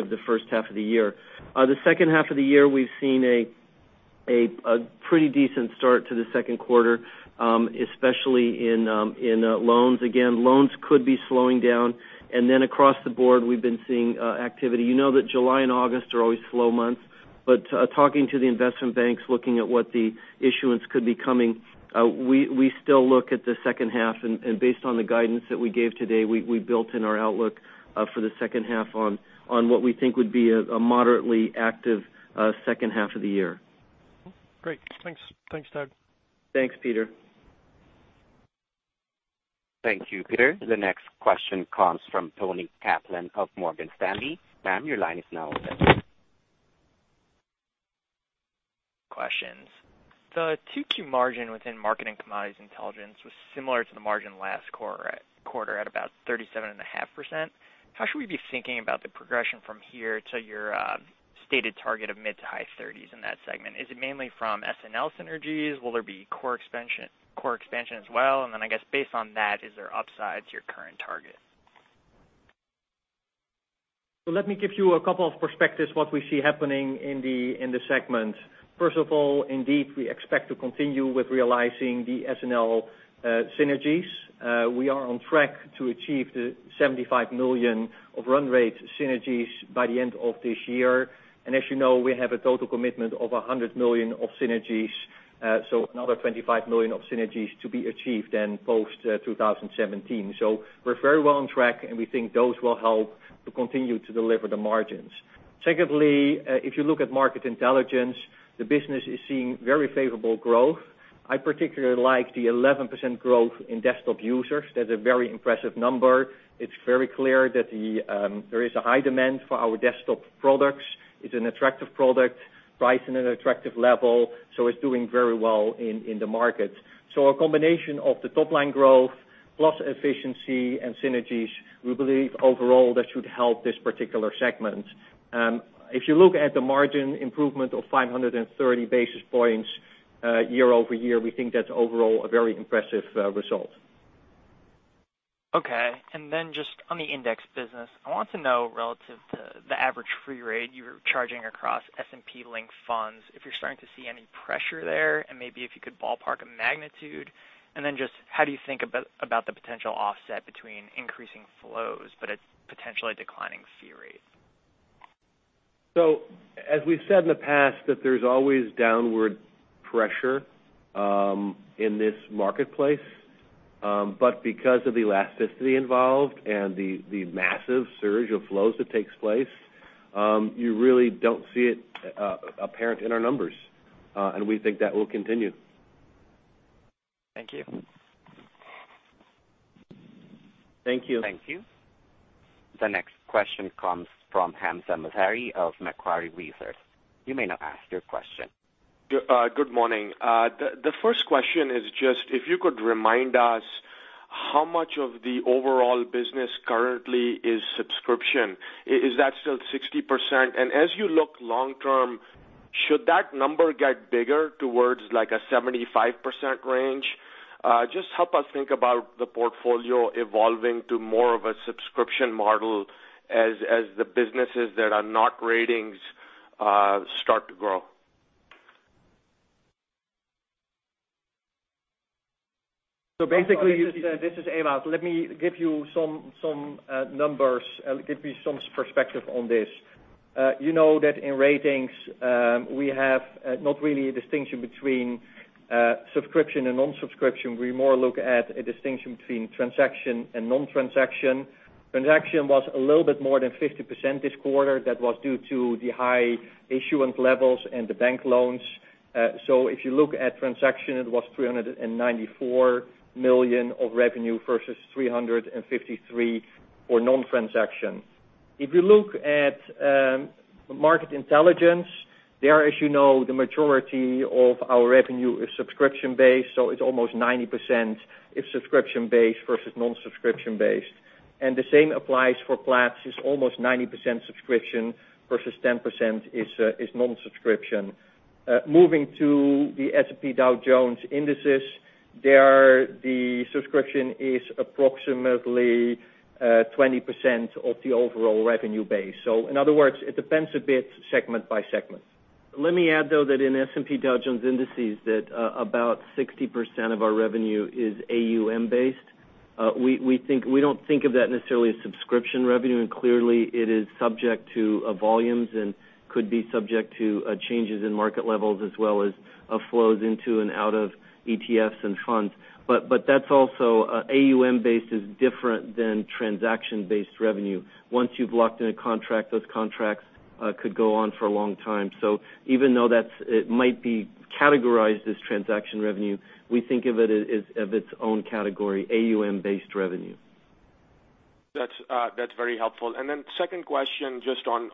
of the first half of the year. The second half of the year, we've seen a pretty decent start to the second quarter, especially in loans. Again, loans could be slowing down, then across the board, we've been seeing activity. You know that July and August are always slow months, talking to the investment banks, looking at what the issuance could be coming, we still look at the second half, based on the guidance that we gave today, we built in our outlook for the second half on what we think would be a moderately active second half of the year. Great. Thanks, Doug. Thanks, Peter. Thank you, Peter. The next question comes from Toni Kaplan of Morgan Stanley. Ma'am, your line is now open. Questions. The 2Q margin within Market & Commodities Intelligence was similar to the margin last quarter at about 37.5%. How should we be thinking about the progression from here to your stated target of mid to high 30s in that segment? Is it mainly from SNL synergies? Will there be core expansion as well? Then, I guess based on that, is there upside to your current target? Let me give you a couple of perspectives what we see happening in the segment. First of all, indeed, we expect to continue with realizing the SNL synergies. We are on track to achieve $75 million of run rate synergies by the end of this year. As you know, we have a total commitment of $100 million of synergies, another $25 million of synergies to be achieved in post-2017. We're very well on track, and we think those will help to continue to deliver the margins. Secondly, if you look at Market Intelligence, the business is seeing very favorable growth. I particularly like the 11% growth in desktop users. That's a very impressive number. It's very clear that there is a high demand for our desktop products. It's an attractive product, priced in an attractive level, it's doing very well in the market. A combination of the top-line growth plus efficiency and synergies, we believe overall, that should help this particular segment. If you look at the margin improvement of 530 basis points year-over-year, we think that's overall a very impressive result. Okay. Just on the index business, I want to know, relative to the average fee rate you're charging across S&P link funds, if you're starting to see any pressure there, and maybe if you could ballpark a magnitude. Just how do you think about the potential offset between increasing flows, but it's potentially declining fee rates? As we've said in the past, that there's always downward pressure in this marketplace. Because of the elasticity involved and the massive surge of flows that takes place, you really don't see it apparent in our numbers. We think that will continue. Thank you. Thank you. Thank you. The next question comes from Hamzah Mazari of Macquarie Research. You may now ask your question. Good morning. The first question is just if you could remind us how much of the overall business currently is subscription. Is that still 60%? As you look long term, should that number get bigger towards like a 75% range? Just help us think about the portfolio evolving to more of a subscription model as the businesses that are not ratings start to grow. This is Ewout. Let me give you some numbers, give you some perspective on this. You know that in ratings, we have not really a distinction between subscription and non-subscription. We more look at a distinction between transaction and non-transaction. Transaction was a little bit more than 50% this quarter. That was due to the high issuance levels and the bank loans. If you look at transaction, it was $394 million of revenue versus $353 million for non-transaction. If you look at Market Intelligence, there, as you know, the majority of our revenue is subscription-based, so it's almost 90% is subscription-based versus non-subscription-based. The same applies for Platts. It's almost 90% subscription versus 10% is non-subscription. Moving to the S&P Dow Jones Indices, there, the subscription is approximately 20% of the overall revenue base. In other words, it depends a bit segment by segment. Let me add, though, that in S&P Dow Jones Indices, that about 60% of our revenue is AUM based. We don't think of that necessarily as subscription revenue, and clearly it is subject to volumes and could be subject to changes in market levels as well as flows into and out of ETFs and funds. AUM based is different than transaction-based revenue. Once you've locked in a contract, those contracts could go on for a long time. Even though it might be categorized as transaction revenue, we think of it as of its own category, AUM-based revenue. That's very helpful. Then second question, just on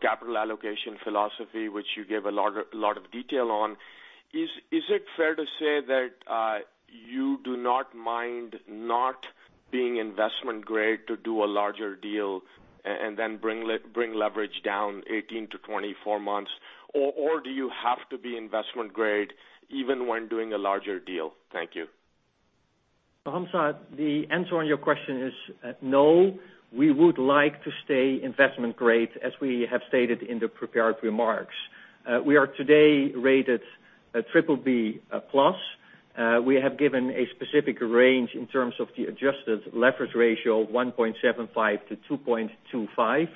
capital allocation philosophy, which you gave a lot of detail on. Is it fair to say that you do not mind not being investment grade to do a larger deal and then bring leverage down 18-24 months? Do you have to be investment grade even when doing a larger deal? Thank you. Hamzah, the answer on your question is no. We would like to stay investment grade, as we have stated in the prepared remarks. We are today rated BBB+. We have given a specific range in terms of the adjusted leverage ratio of 1.75-2.25.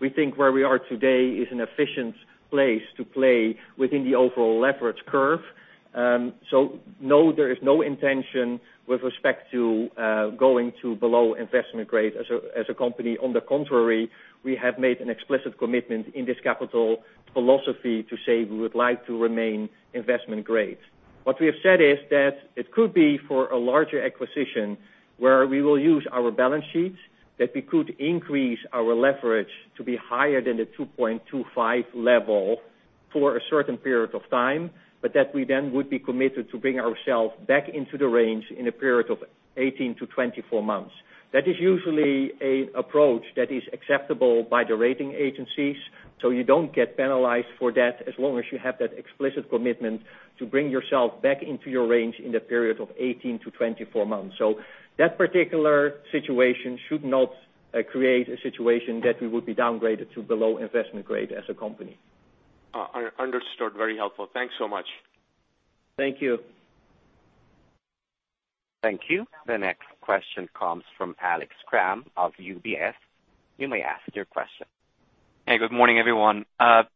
We think where we are today is an efficient place to play within the overall leverage curve. No, there is no intention with respect to going to below investment grade as a company. On the contrary, we have made an explicit commitment in this capital philosophy to say we would like to remain investment grade. What we have said is that it could be for a larger acquisition where we will use our balance sheets, that we could increase our leverage to be higher than the 2.25 level for a certain period of time, but that we then would be committed to bring ourselves back into the range in a period of 18 to 24 months. That is usually an approach that is acceptable by the rating agencies, so you don't get penalized for that as long as you have that explicit commitment to bring yourself back into your range in the period of 18 to 24 months. That particular situation should not create a situation that we would be downgraded to below investment grade as a company. Understood. Very helpful. Thanks so much. Thank you. Thank you. The next question comes from Alex Kramm of UBS. You may ask your question. Good morning, everyone.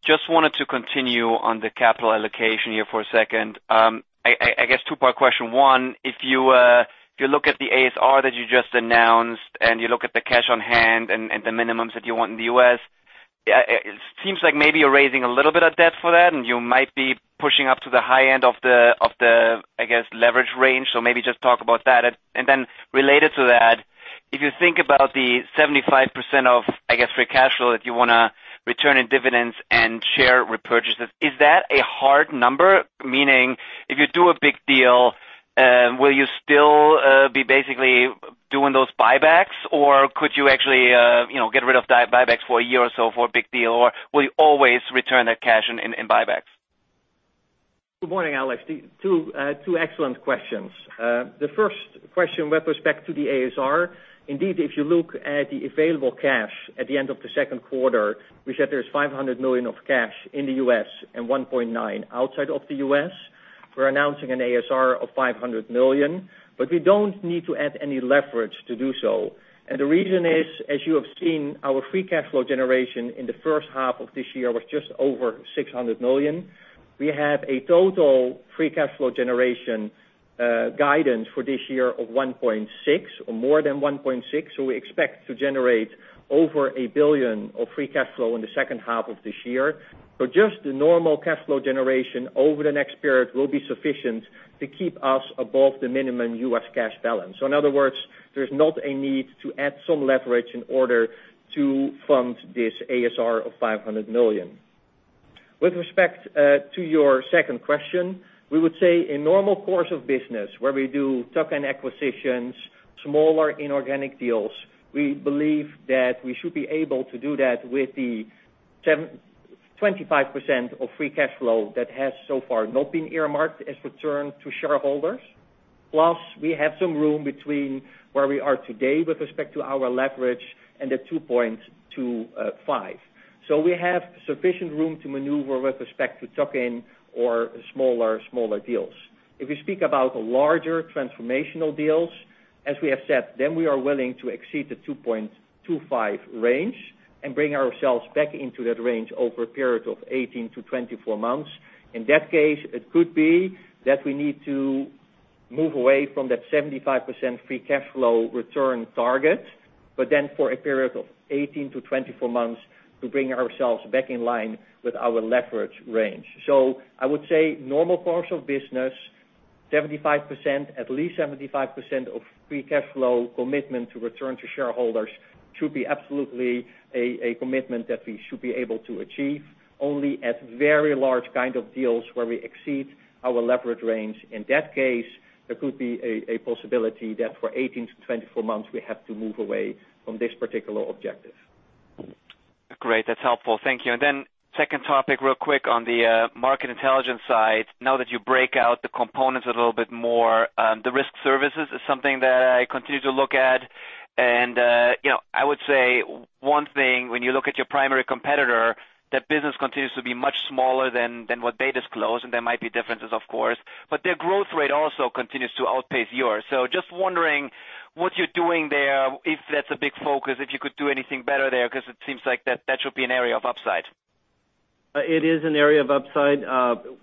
Just wanted to continue on the capital allocation here for a second. I guess two-part question. One, if you look at the ASR that you just announced and you look at the cash on hand and the minimums that you want in the U.S., it seems like maybe you're raising a little bit of debt for that, and you might be pushing up to the high end of the, I guess, leverage range. Maybe just talk about that. Related to that, if you think about the 75% of, I guess, free cash flow that you want to return in dividends and share repurchases, is that a hard number? Meaning, if you do a big deal, will you still be basically doing those buybacks? Or could you actually get rid of buybacks for a year or so for a big deal? Will you always return that cash in buybacks? Good morning, Alex. Two excellent questions. The first question with respect to the ASR. Indeed, if you look at the available cash at the end of the second quarter, we said there's $500 million of cash in the U.S. and $1.9 billion outside of the U.S. We're announcing an ASR of $500 million, but we don't need to add any leverage to do so. The reason is, as you have seen, our free cash flow generation in the first half of this year was just over $600 million. We have a total free cash flow generation guidance for this year of $1.6 billion or more than $1.6 billion. We expect to generate over a billion of free cash flow in the second half of this year. Just the normal cash flow generation over the next period will be sufficient to keep us above the minimum U.S. cash balance. In other words, there's not a need to add some leverage in order to fund this ASR of $500 million. With respect to your second question, we would say a normal course of business where we do tuck-in acquisitions, smaller inorganic deals. We believe that we should be able to do that with the 25% of free cash flow that has so far not been earmarked as returned to shareholders. Plus, we have some room between where we are today with respect to our leverage and the 2.25. We have sufficient room to maneuver with respect to tuck-in or smaller deals. If we speak about larger transformational deals, as we have said, then we are willing to exceed the 2.25 range and bring ourselves back into that range over a period of 18-24 months. In that case, it could be that we need to move away from that 75% free cash flow return target, but then for a period of 18-24 months, to bring ourselves back in line with our leverage range. I would say normal course of business, at least 75% of free cash flow commitment to return to shareholders should be absolutely a commitment that we should be able to achieve only at very large kind of deals where we exceed our leverage range. In that case, there could be a possibility that for 18-24 months, we have to move away from this particular objective. Great. That's helpful. Thank you. Then second topic real quick on the Market Intelligence side. Now that you break out the components a little bit more, the risk services is something that I continue to look at. I would say one thing, when you look at your primary competitor, that business continues to be much smaller than what they disclose, and there might be differences, of course. Their growth rate also continues to outpace yours. Just wondering what you're doing there, if that's a big focus, if you could do anything better there, because it seems like that should be an area of upside. It is an area of upside.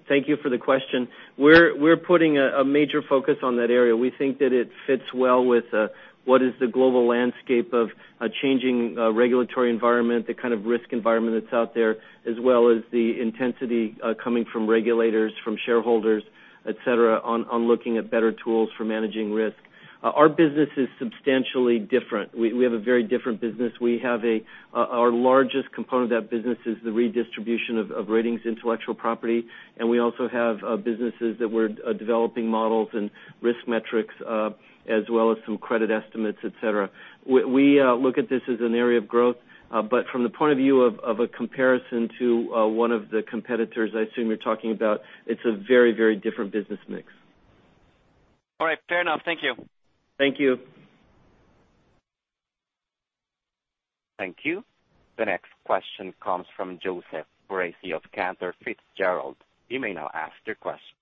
Thank you for the question. We're putting a major focus on that area. We think that it fits well with what is the global landscape of a changing regulatory environment, the kind of risk environment that's out there, as well as the intensity coming from regulators, from shareholders, et cetera, on looking at better tools for managing risk. Our business is substantially different. We have a very different business. Our largest component of that business is the redistribution of ratings intellectual property, and we also have businesses that we're developing models and risk metrics, as well as some credit estimates, et cetera. We look at this as an area of growth. From the point of view of a comparison to one of the competitors I assume you're talking about, it's a very different business mix. All right. Fair enough. Thank you. Thank you. Thank you. The next question comes from Joseph Foresi of Cantor Fitzgerald. You may now ask your question.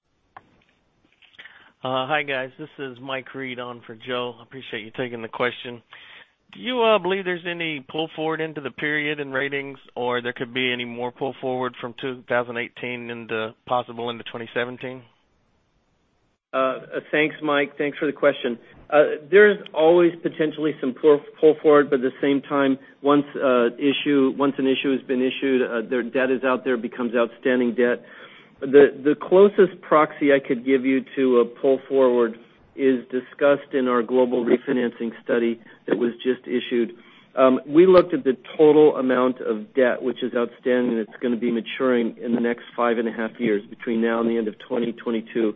Hi, guys. This is Mike Reid on for Joe. Appreciate you taking the question. Do you believe there's any pull forward into the period in ratings, or there could be any more pull forward from 2018 possible into 2017? Thanks, Mike. Thanks for the question. There is always potentially some pull forward, but at the same time, once an issue has been issued, their debt is out there, becomes outstanding debt. The closest proxy I could give you to a pull forward is discussed in our global refinancing study that was just issued. We looked at the total amount of debt which is outstanding, that's going to be maturing in the next five and a half years, between now and the end of 2022.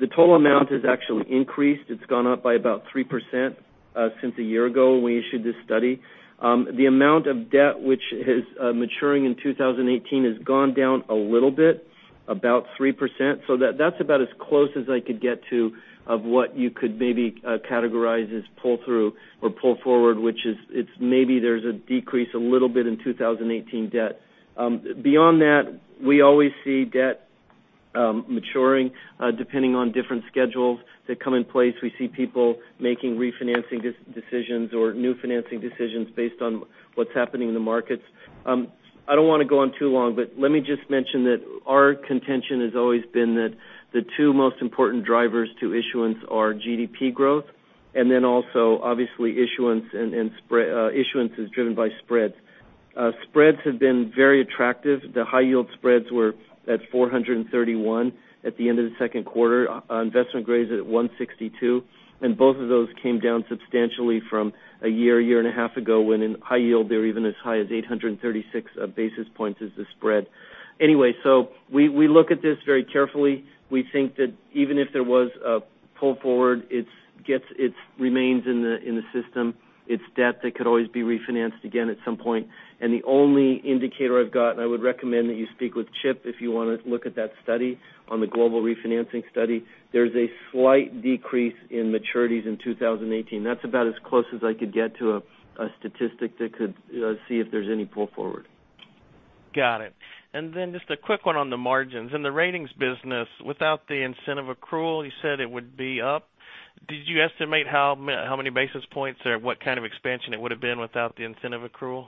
The total amount has actually increased. It's gone up by about 3% since a year ago when we issued this study. The amount of debt which is maturing in 2018 has gone down a little bit, about 3%. That's about as close as I could get to of what you could maybe categorize as pull through or pull forward, which is maybe there's a decrease a little bit in 2018 debt. Beyond that, we always see debt maturing depending on different schedules that come in place. We see people making refinancing decisions or new financing decisions based on what's happening in the markets. I don't want to go on too long, but let me just mention that our contention has always been that the two most important drivers to issuance are GDP growth and then also obviously issuance is driven by spreads. Spreads have been very attractive. The high yield spreads were at 431 at the end of the second quarter. Investment grade is at 162. Both of those came down substantially from a year and a half ago when in high yield, they were even as high as 836 basis points as the spread. We look at this very carefully. We think that even if there was a pull forward, it remains in the system. It's debt that could always be refinanced again at some point. The only indicator I've got, and I would recommend that you speak with Chip if you want to look at that study on the global refinancing study. There's a slight decrease in maturities in 2018. That's about as close as I could get to a statistic that could see if there's any pull forward. Got it. Just a quick one on the margins. In the ratings business, without the incentive accrual, you said it would be up. Did you estimate how many basis points there, what kind of expansion it would have been without the incentive accrual?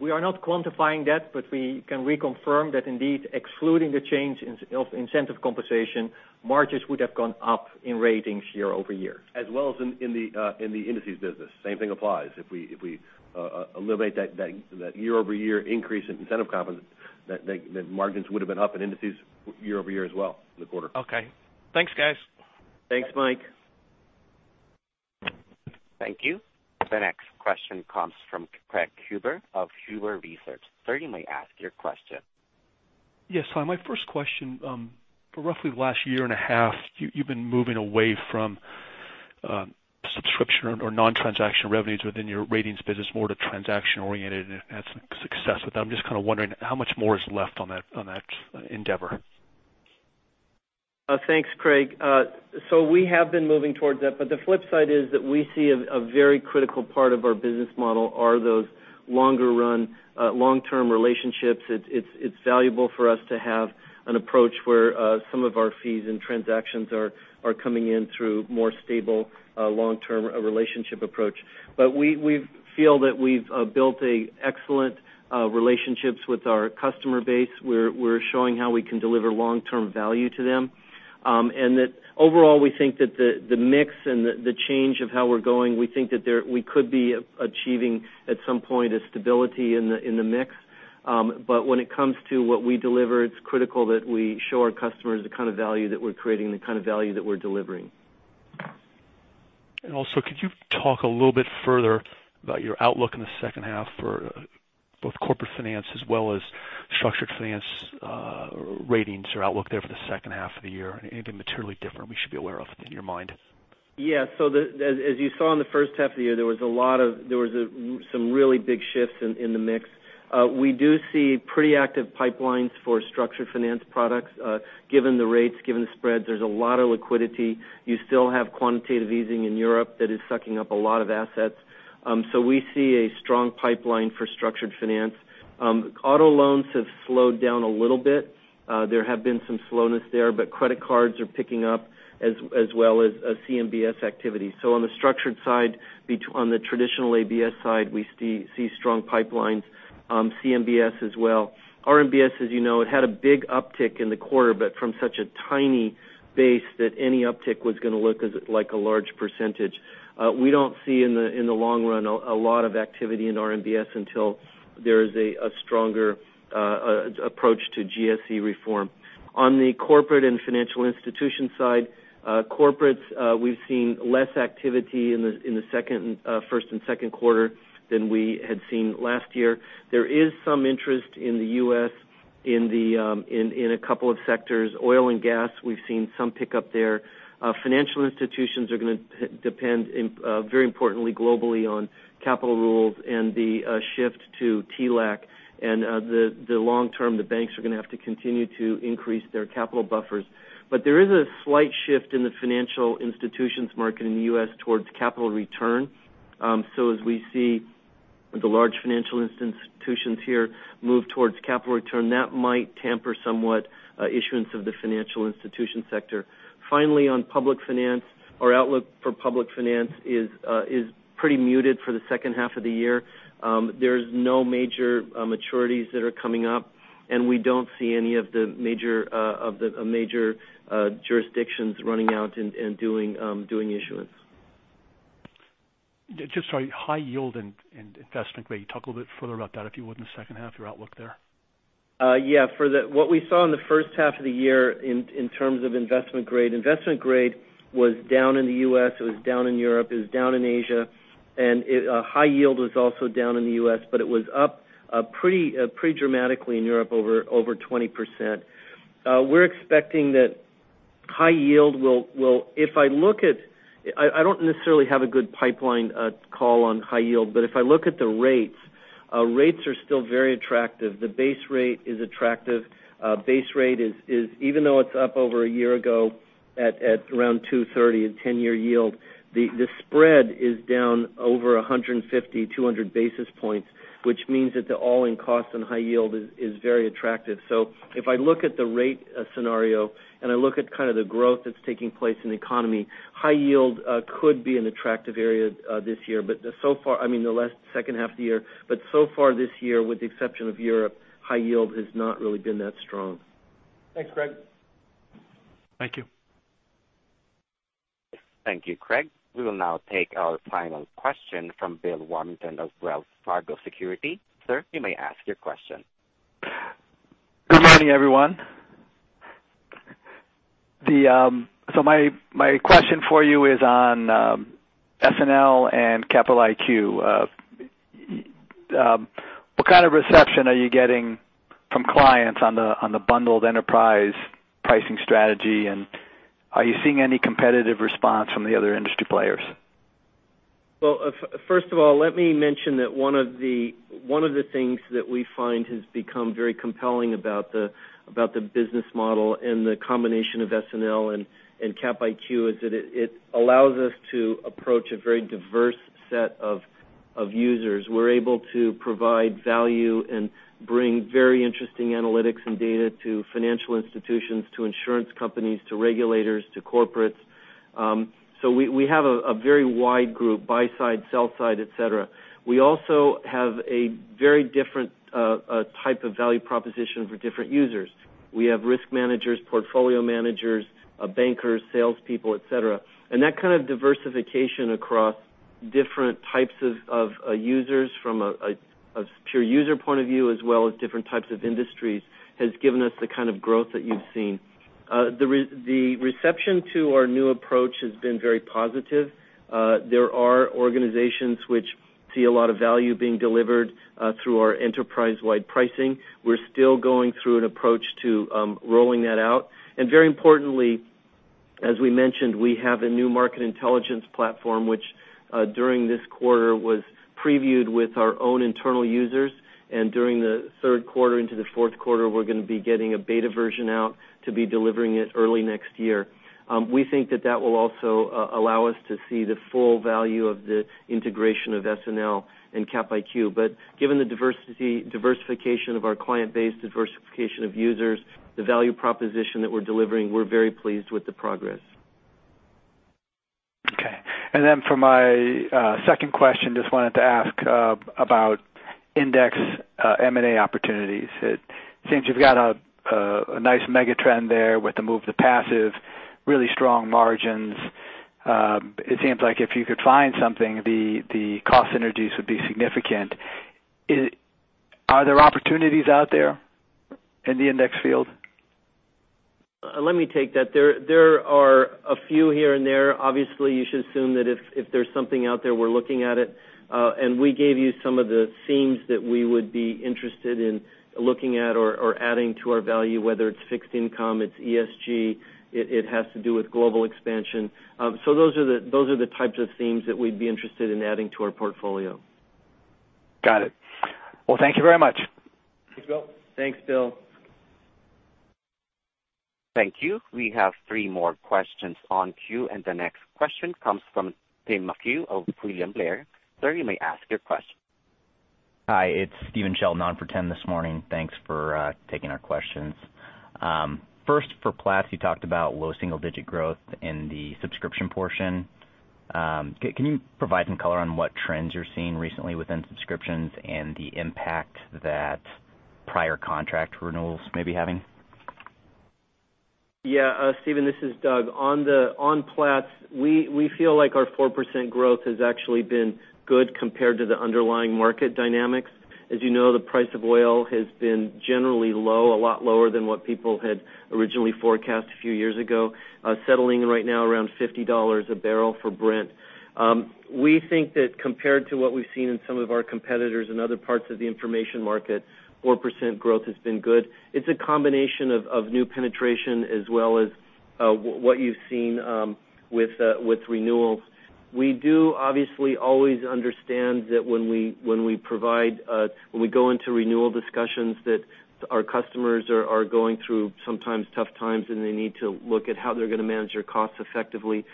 We are not quantifying that, but we can reconfirm that indeed, excluding the change of incentive compensation, margins would have gone up in Ratings year-over-year. As well as in the Indices business. Same thing applies. If we eliminate that year-over-year increase in incentive comp, the margins would have been up in Indices year-over-year as well in the quarter. Okay. Thanks, guys. Thanks, Mike. Thank you. The next question comes from Craig Huber of Huber Research. Sir, you may ask your question. Yes. Hi, my first question. For roughly the last year and a half, you've been moving away from subscription or non-transaction revenues within your ratings business more to transaction oriented and had some success with that. I'm just kind of wondering how much more is left on that endeavor. Thanks, Craig. We have been moving towards that, but the flip side is that we see a very critical part of our business model are those longer run, long-term relationships. It's valuable for us to have an approach where some of our fees and transactions are coming in through more stable, long-term relationship approach. We feel that we've built excellent relationships with our customer base. We're showing how we can deliver long-term value to them. That overall, we think that the mix and the change of how we're going, we think that we could be achieving at some point a stability in the mix. When it comes to what we deliver, it's critical that we show our customers the kind of value that we're creating and the kind of value that we're delivering. Also, could you talk a little bit further about your outlook in the second half for both corporate finance as well as structured finance ratings or outlook there for the second half of the year? Anything materially different we should be aware of in your mind? Yes. As you saw in the first half of the year, there was some really big shifts in the mix. We do see pretty active pipelines for structured finance products. Given the rates, given the spreads, there's a lot of liquidity. You still have quantitative easing in Europe that is sucking up a lot of assets. We see a strong pipeline for structured finance. Auto loans have slowed down a little bit. There have been some slowness there, but credit cards are picking up as well as CMBS activity. On the structured side, on the traditional ABS side, we see strong pipelines. CMBS as well. RMBS, as you know, it had a big uptick in the quarter, but from such a tiny base that any uptick was going to look like a large percentage. We don't see in the long run a lot of activity in RMBS until there is a stronger approach to GSE reform. On the corporate and financial institution side. Corporates, we've seen less activity in the first and second quarter than we had seen last year. There is some interest in the U.S. in a couple of sectors. Oil and gas, we've seen some pickup there. Financial institutions are going to depend very importantly globally on capital rules and the shift to TLAC. The long-term, the banks are going to have to continue to increase their capital buffers. There is a slight shift in the financial institutions market in the U.S. towards capital return. As we see the large financial institutions here move towards capital return, that might tamper somewhat issuance of the financial institution sector. Finally, on public finance, our outlook for public finance is pretty muted for the second half of the year. There's no major maturities that are coming up, we don't see any of the major jurisdictions running out and doing issuance. Just sorry, high yield and investment grade. Talk a little bit further about that, if you would, in the second half, your outlook there. Yeah. What we saw in the first half of the year in terms of investment grade. Investment grade was down in the U.S., it was down in Europe, it was down in Asia, and high yield was also down in the U.S., but it was up pretty dramatically in Europe over 20%. We're expecting that high yield. I don't necessarily have a good pipeline call on high yield, but if I look at the rates are still very attractive. The base rate is attractive. Base rate is, even though it's up over a year ago at around 230 in 10-year yield, the spread is down over 150, 200 basis points, which means that the all-in cost on high yield is very attractive. If I look at the rate scenario, I look at kind of the growth that's taking place in the economy, high yield could be an attractive area this year. I mean, the last second half of the year. So far this year, with the exception of Europe, high yield has not really been that strong. Thanks, Craig. Thank you. Thank you, Craig. We will now take our final question from Bill Warmington of Wells Fargo Securities. Sir, you may ask your question. Good morning, everyone. My question for you is on SNL and Capital IQ. What kind of reception are you getting from clients on the bundled enterprise pricing strategy, and are you seeing any competitive response from the other industry players? First of all, let me mention that one of the things that we find has become very compelling about the business model and the combination of SNL and Capital IQ is that it allows us to approach a very diverse set of users. We're able to provide value and bring very interesting analytics and data to financial institutions, to insurance companies, to regulators, to corporates. We have a very wide group, buy side, sell side, et cetera. We also have a very different type of value proposition for different users. We have risk managers, portfolio managers, bankers, salespeople, et cetera. That kind of diversification across different types of users from a pure user point of view as well as different types of industries has given us the kind of growth that you've seen. The reception to our new approach has been very positive. There are organizations which see a lot of value being delivered through our enterprise-wide pricing. We're still going through an approach to rolling that out. Very importantly, as we mentioned, we have a new market intelligence platform, which during this quarter was previewed with our own internal users. During the third quarter into the fourth quarter, we're going to be getting a beta version out to be delivering it early next year. We think that that will also allow us to see the full value of the integration of SNL and Capital IQ. Given the diversification of our client base, diversification of users, the value proposition that we're delivering, we're very pleased with the progress. Okay. For my second question, just wanted to ask about index M&A opportunities. It seems you've got a nice mega trend there with the move to passive, really strong margins. It seems like if you could find something, the cost synergies would be significant. Are there opportunities out there in the index field? Let me take that. There are a few here and there. Obviously, you should assume that if there's something out there, we're looking at it. We gave you some of the themes that we would be interested in looking at or adding to our value, whether it's fixed income, it's ESG, it has to do with global expansion. Those are the types of themes that we'd be interested in adding to our portfolio. Got it. Well, thank you very much. Thanks, Bill. Thank you. We have three more questions on queue. The next question comes from Tim McHugh of William Blair. Sir, you may ask your question. Hi, it's Stephen Sheldon on for Tim McHugh this morning. Thanks for taking our questions. First, for Platts, you talked about low single-digit growth in the subscription portion. Can you provide some color on what trends you're seeing recently within subscriptions and the impact that prior contract renewals may be having? Yeah, Stephen, this is Doug Peterson. On Platts, we feel like our 4% growth has actually been good compared to the underlying market dynamics. As you know, the price of oil has been generally low, a lot lower than what people had originally forecast a few years ago, settling right now around $50 a barrel for Brent. We think that compared to what we've seen in some of our competitors in other parts of the information market, 4% growth has been good. It's a combination of new penetration as well as what you've seen with renewals. We do obviously always understand that when we go into renewal discussions, that our customers are going through sometimes tough times, and they need to look at how they're going to manage their costs effectively.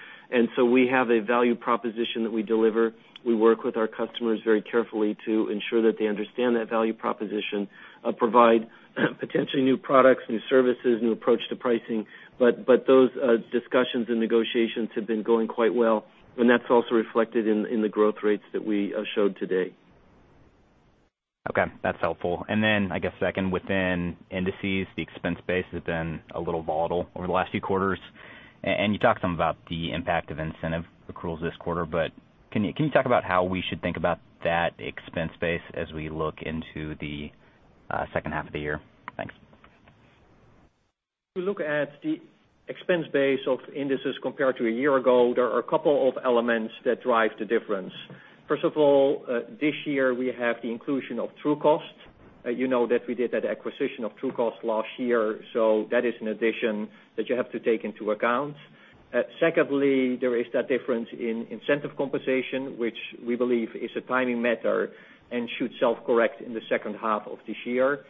We have a value proposition that we deliver. We work with our customers very carefully to ensure that they understand that value proposition, provide potentially new products, new services, new approach to pricing. Those discussions and negotiations have been going quite well, and that's also reflected in the growth rates that we showed today. Okay, that's helpful. I guess second, within Indices, the expense base has been a little volatile over the last few quarters, and you talked some about the impact of incentive accruals this quarter, but can you talk about how we should think about that expense base as we look into the second half of the year? Thanks. If you look at the expense base of Indices compared to a year ago, there are a couple of elements that drive the difference. First of all, this year we have the inclusion of Trucost. You know that we did that acquisition of Trucost last year, so that is an addition that you have to take into account. Secondly, there is that difference in incentive compensation, which we believe is a timing matter and should self-correct in the second half of this year.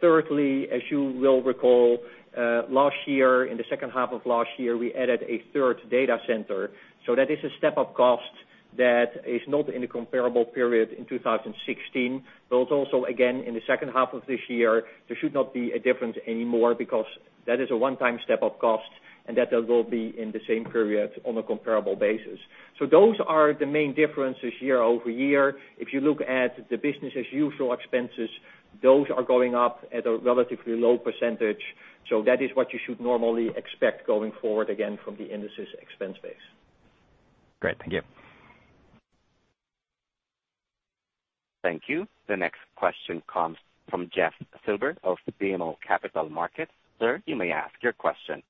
Thirdly, as you will recall, in the second half of last year, we added a third data center. That is a step-up cost that is not in the comparable period in 2016. Also, again, in the second half of this year, there should not be a difference anymore because that is a one-time step-up cost, and that will be in the same period on a comparable basis. Those are the main differences year-over-year. If you look at the business-as-usual expenses, those are going up at a relatively low %. That is what you should normally expect going forward, again, from the Indices expense base. Great. Thank you. Thank you. The next question comes from Jeff Silber of BMO Capital Markets. Sir, you may ask your question.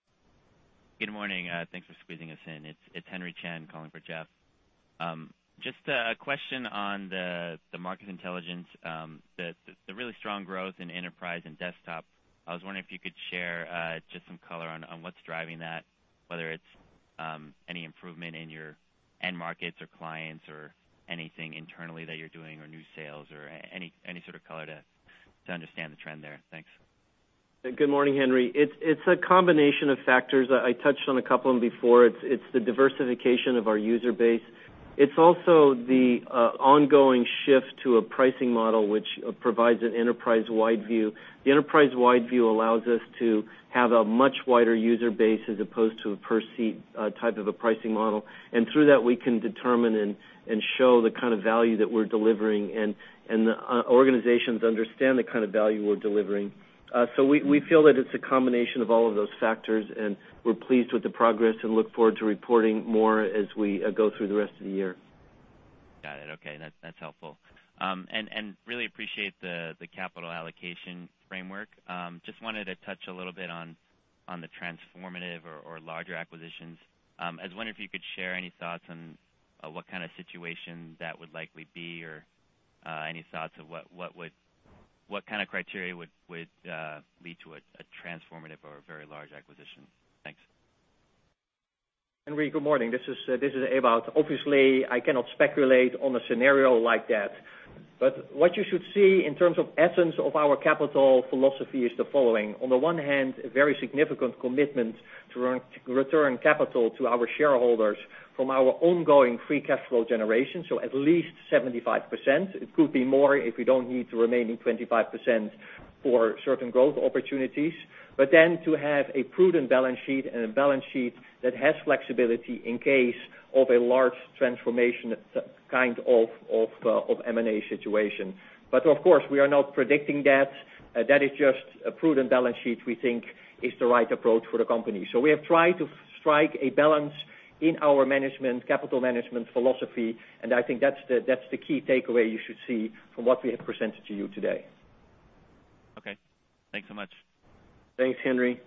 Good morning. Thanks for squeezing us in. It's Henry Chien calling for Jeff. Just a question on the Market Intelligence, the really strong growth in enterprise and desktop. I was wondering if you could share just some color on what's driving that, whether it's any improvement in your end markets or clients or anything internally that you're doing or new sales or any sort of color to understand the trend there. Thanks. Good morning, Henry. It's a combination of factors. I touched on a couple of them before. It's the diversification of our user base. It's also the ongoing shift to a pricing model, which provides an enterprise-wide view. The enterprise-wide view allows us to have a much wider user base as opposed to a per-seat type of a pricing model. Through that, we can determine and show the kind of value that we're delivering, and the organizations understand the kind of value we're delivering. We feel that it's a combination of all of those factors, and we're pleased with the progress and look forward to reporting more as we go through the rest of the year. Got it. Okay. That's helpful. Really appreciate the capital allocation framework. Just wanted to touch a little bit on the transformative or larger acquisitions. I was wondering if you could share any thoughts on what kind of situation that would likely be or any thoughts of what kind of criteria would lead to a transformative or a very large acquisition. Thanks. Henry, good morning. This is Ewout. Obviously, I cannot speculate on a scenario like that. What you should see in terms of essence of our capital philosophy is the following. On the one hand, a very significant commitment to return capital to our shareholders from our ongoing free cash flow generation, at least 75%. It could be more if we don't need the remaining 25% for certain growth opportunities. To have a prudent balance sheet and a balance sheet that has flexibility in case of a large transformation kind of M&A situation. Of course, we are not predicting that. That is just a prudent balance sheet we think is the right approach for the company. We have tried to strike a balance in our capital management philosophy, and I think that's the key takeaway you should see from what we have presented to you today. Okay. Thanks so much. Thanks, Henry.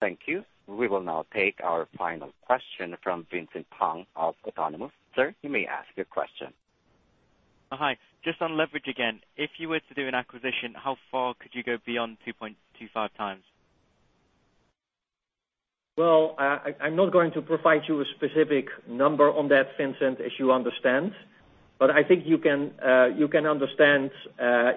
Thank you. We will now take our final question from Vincent Hung of Autonomous. Sir, you may ask your question. Hi. Just on leverage again. If you were to do an acquisition, how far could you go beyond 2.25 times? Well, I'm not going to provide you a specific number on that, Vincent, as you understand. I think you can understand,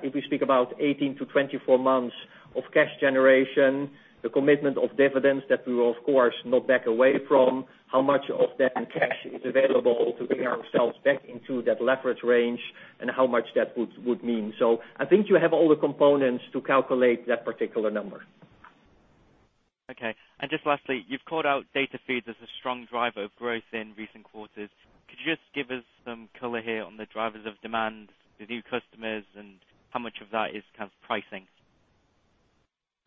if we speak about 18 to 24 months of cash generation, the commitment of dividends that we will, of course, not back away from, how much of that cash is available to bring ourselves back into that leverage range, and how much that would mean. I think you have all the components to calculate that particular number. Okay. Just lastly, you've called out data feeds as a strong driver of growth in recent quarters. Could you just give us some color here on the drivers of demand, the new customers, and how much of that is kind of pricing?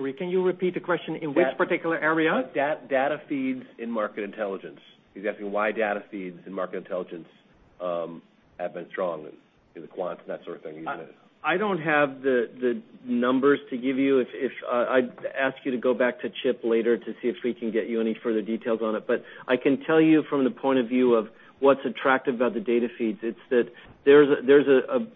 Sorry, can you repeat the question? In which particular area? Data feeds in Market Intelligence. He's asking why data feeds in Market Intelligence have been strong. Is it quants and that sort of thing you mentioned? I don't have the numbers to give you. I'd ask you to go back to Chip later to see if we can get you any further details on it. I can tell you from the point of view of what's attractive about the data feeds, it's that there's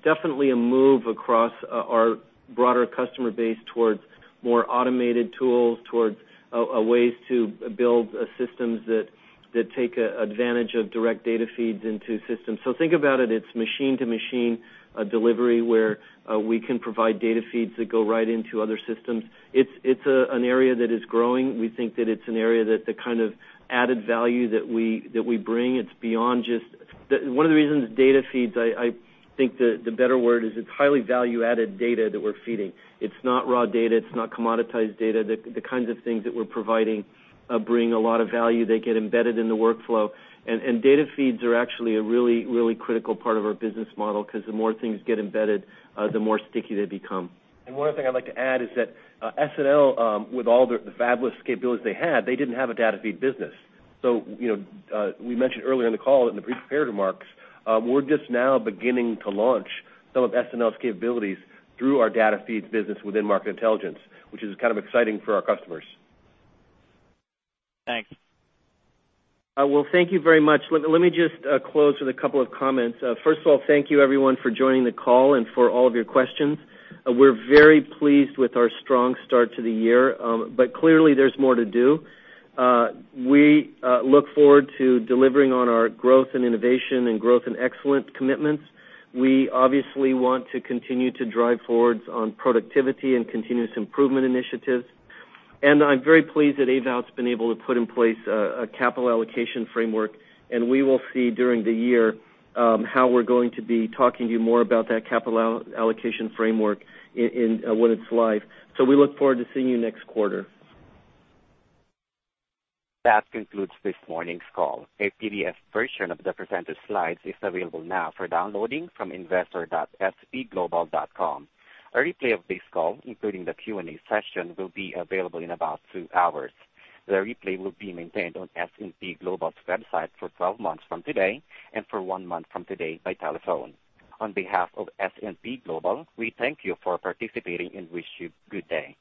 definitely a move across our broader customer base towards more automated tools, towards ways to build systems that take advantage of direct data feeds into systems. Think about it's machine-to-machine delivery where we can provide data feeds that go right into other systems. It's an area that is growing. We think that it's an area that the kind of added value that we bring, it's beyond just, I think the better word is it's highly value-added data that we're feeding. It's not raw data, it's not commoditized data. The kinds of things that we're providing bring a lot of value. They get embedded in the workflow. Data feeds are actually a really, really critical part of our business model, because the more things get embedded, the more sticky they become. One other thing I'd like to add is that SNL, with all the fabulous capabilities they had, they didn't have a data feed business. We mentioned earlier in the call in the prepared remarks, we're just now beginning to launch some of SNL's capabilities through our data feeds business within Market Intelligence, which is kind of exciting for our customers. Thanks. Well, thank you very much. Let me just close with a couple of comments. First of all, thank you everyone for joining the call and for all of your questions. We're very pleased with our strong start to the year. Clearly, there's more to do. We look forward to delivering on our growth and innovation and growth and excellence commitments. We obviously want to continue to drive forwards on productivity and continuous improvement initiatives. I'm very pleased that Ewout's been able to put in place a capital allocation framework, and we will see during the year, how we're going to be talking to you more about that capital allocation framework when it's live. We look forward to seeing you next quarter. That concludes this morning's call. A PDF version of the presented slides is available now for downloading from investor.spglobal.com. A replay of this call, including the Q&A session, will be available in about two hours. The replay will be maintained on S&P Global's website for 12 months from today and for one month from today by telephone. On behalf of S&P Global, we thank you for participating and wish you good day.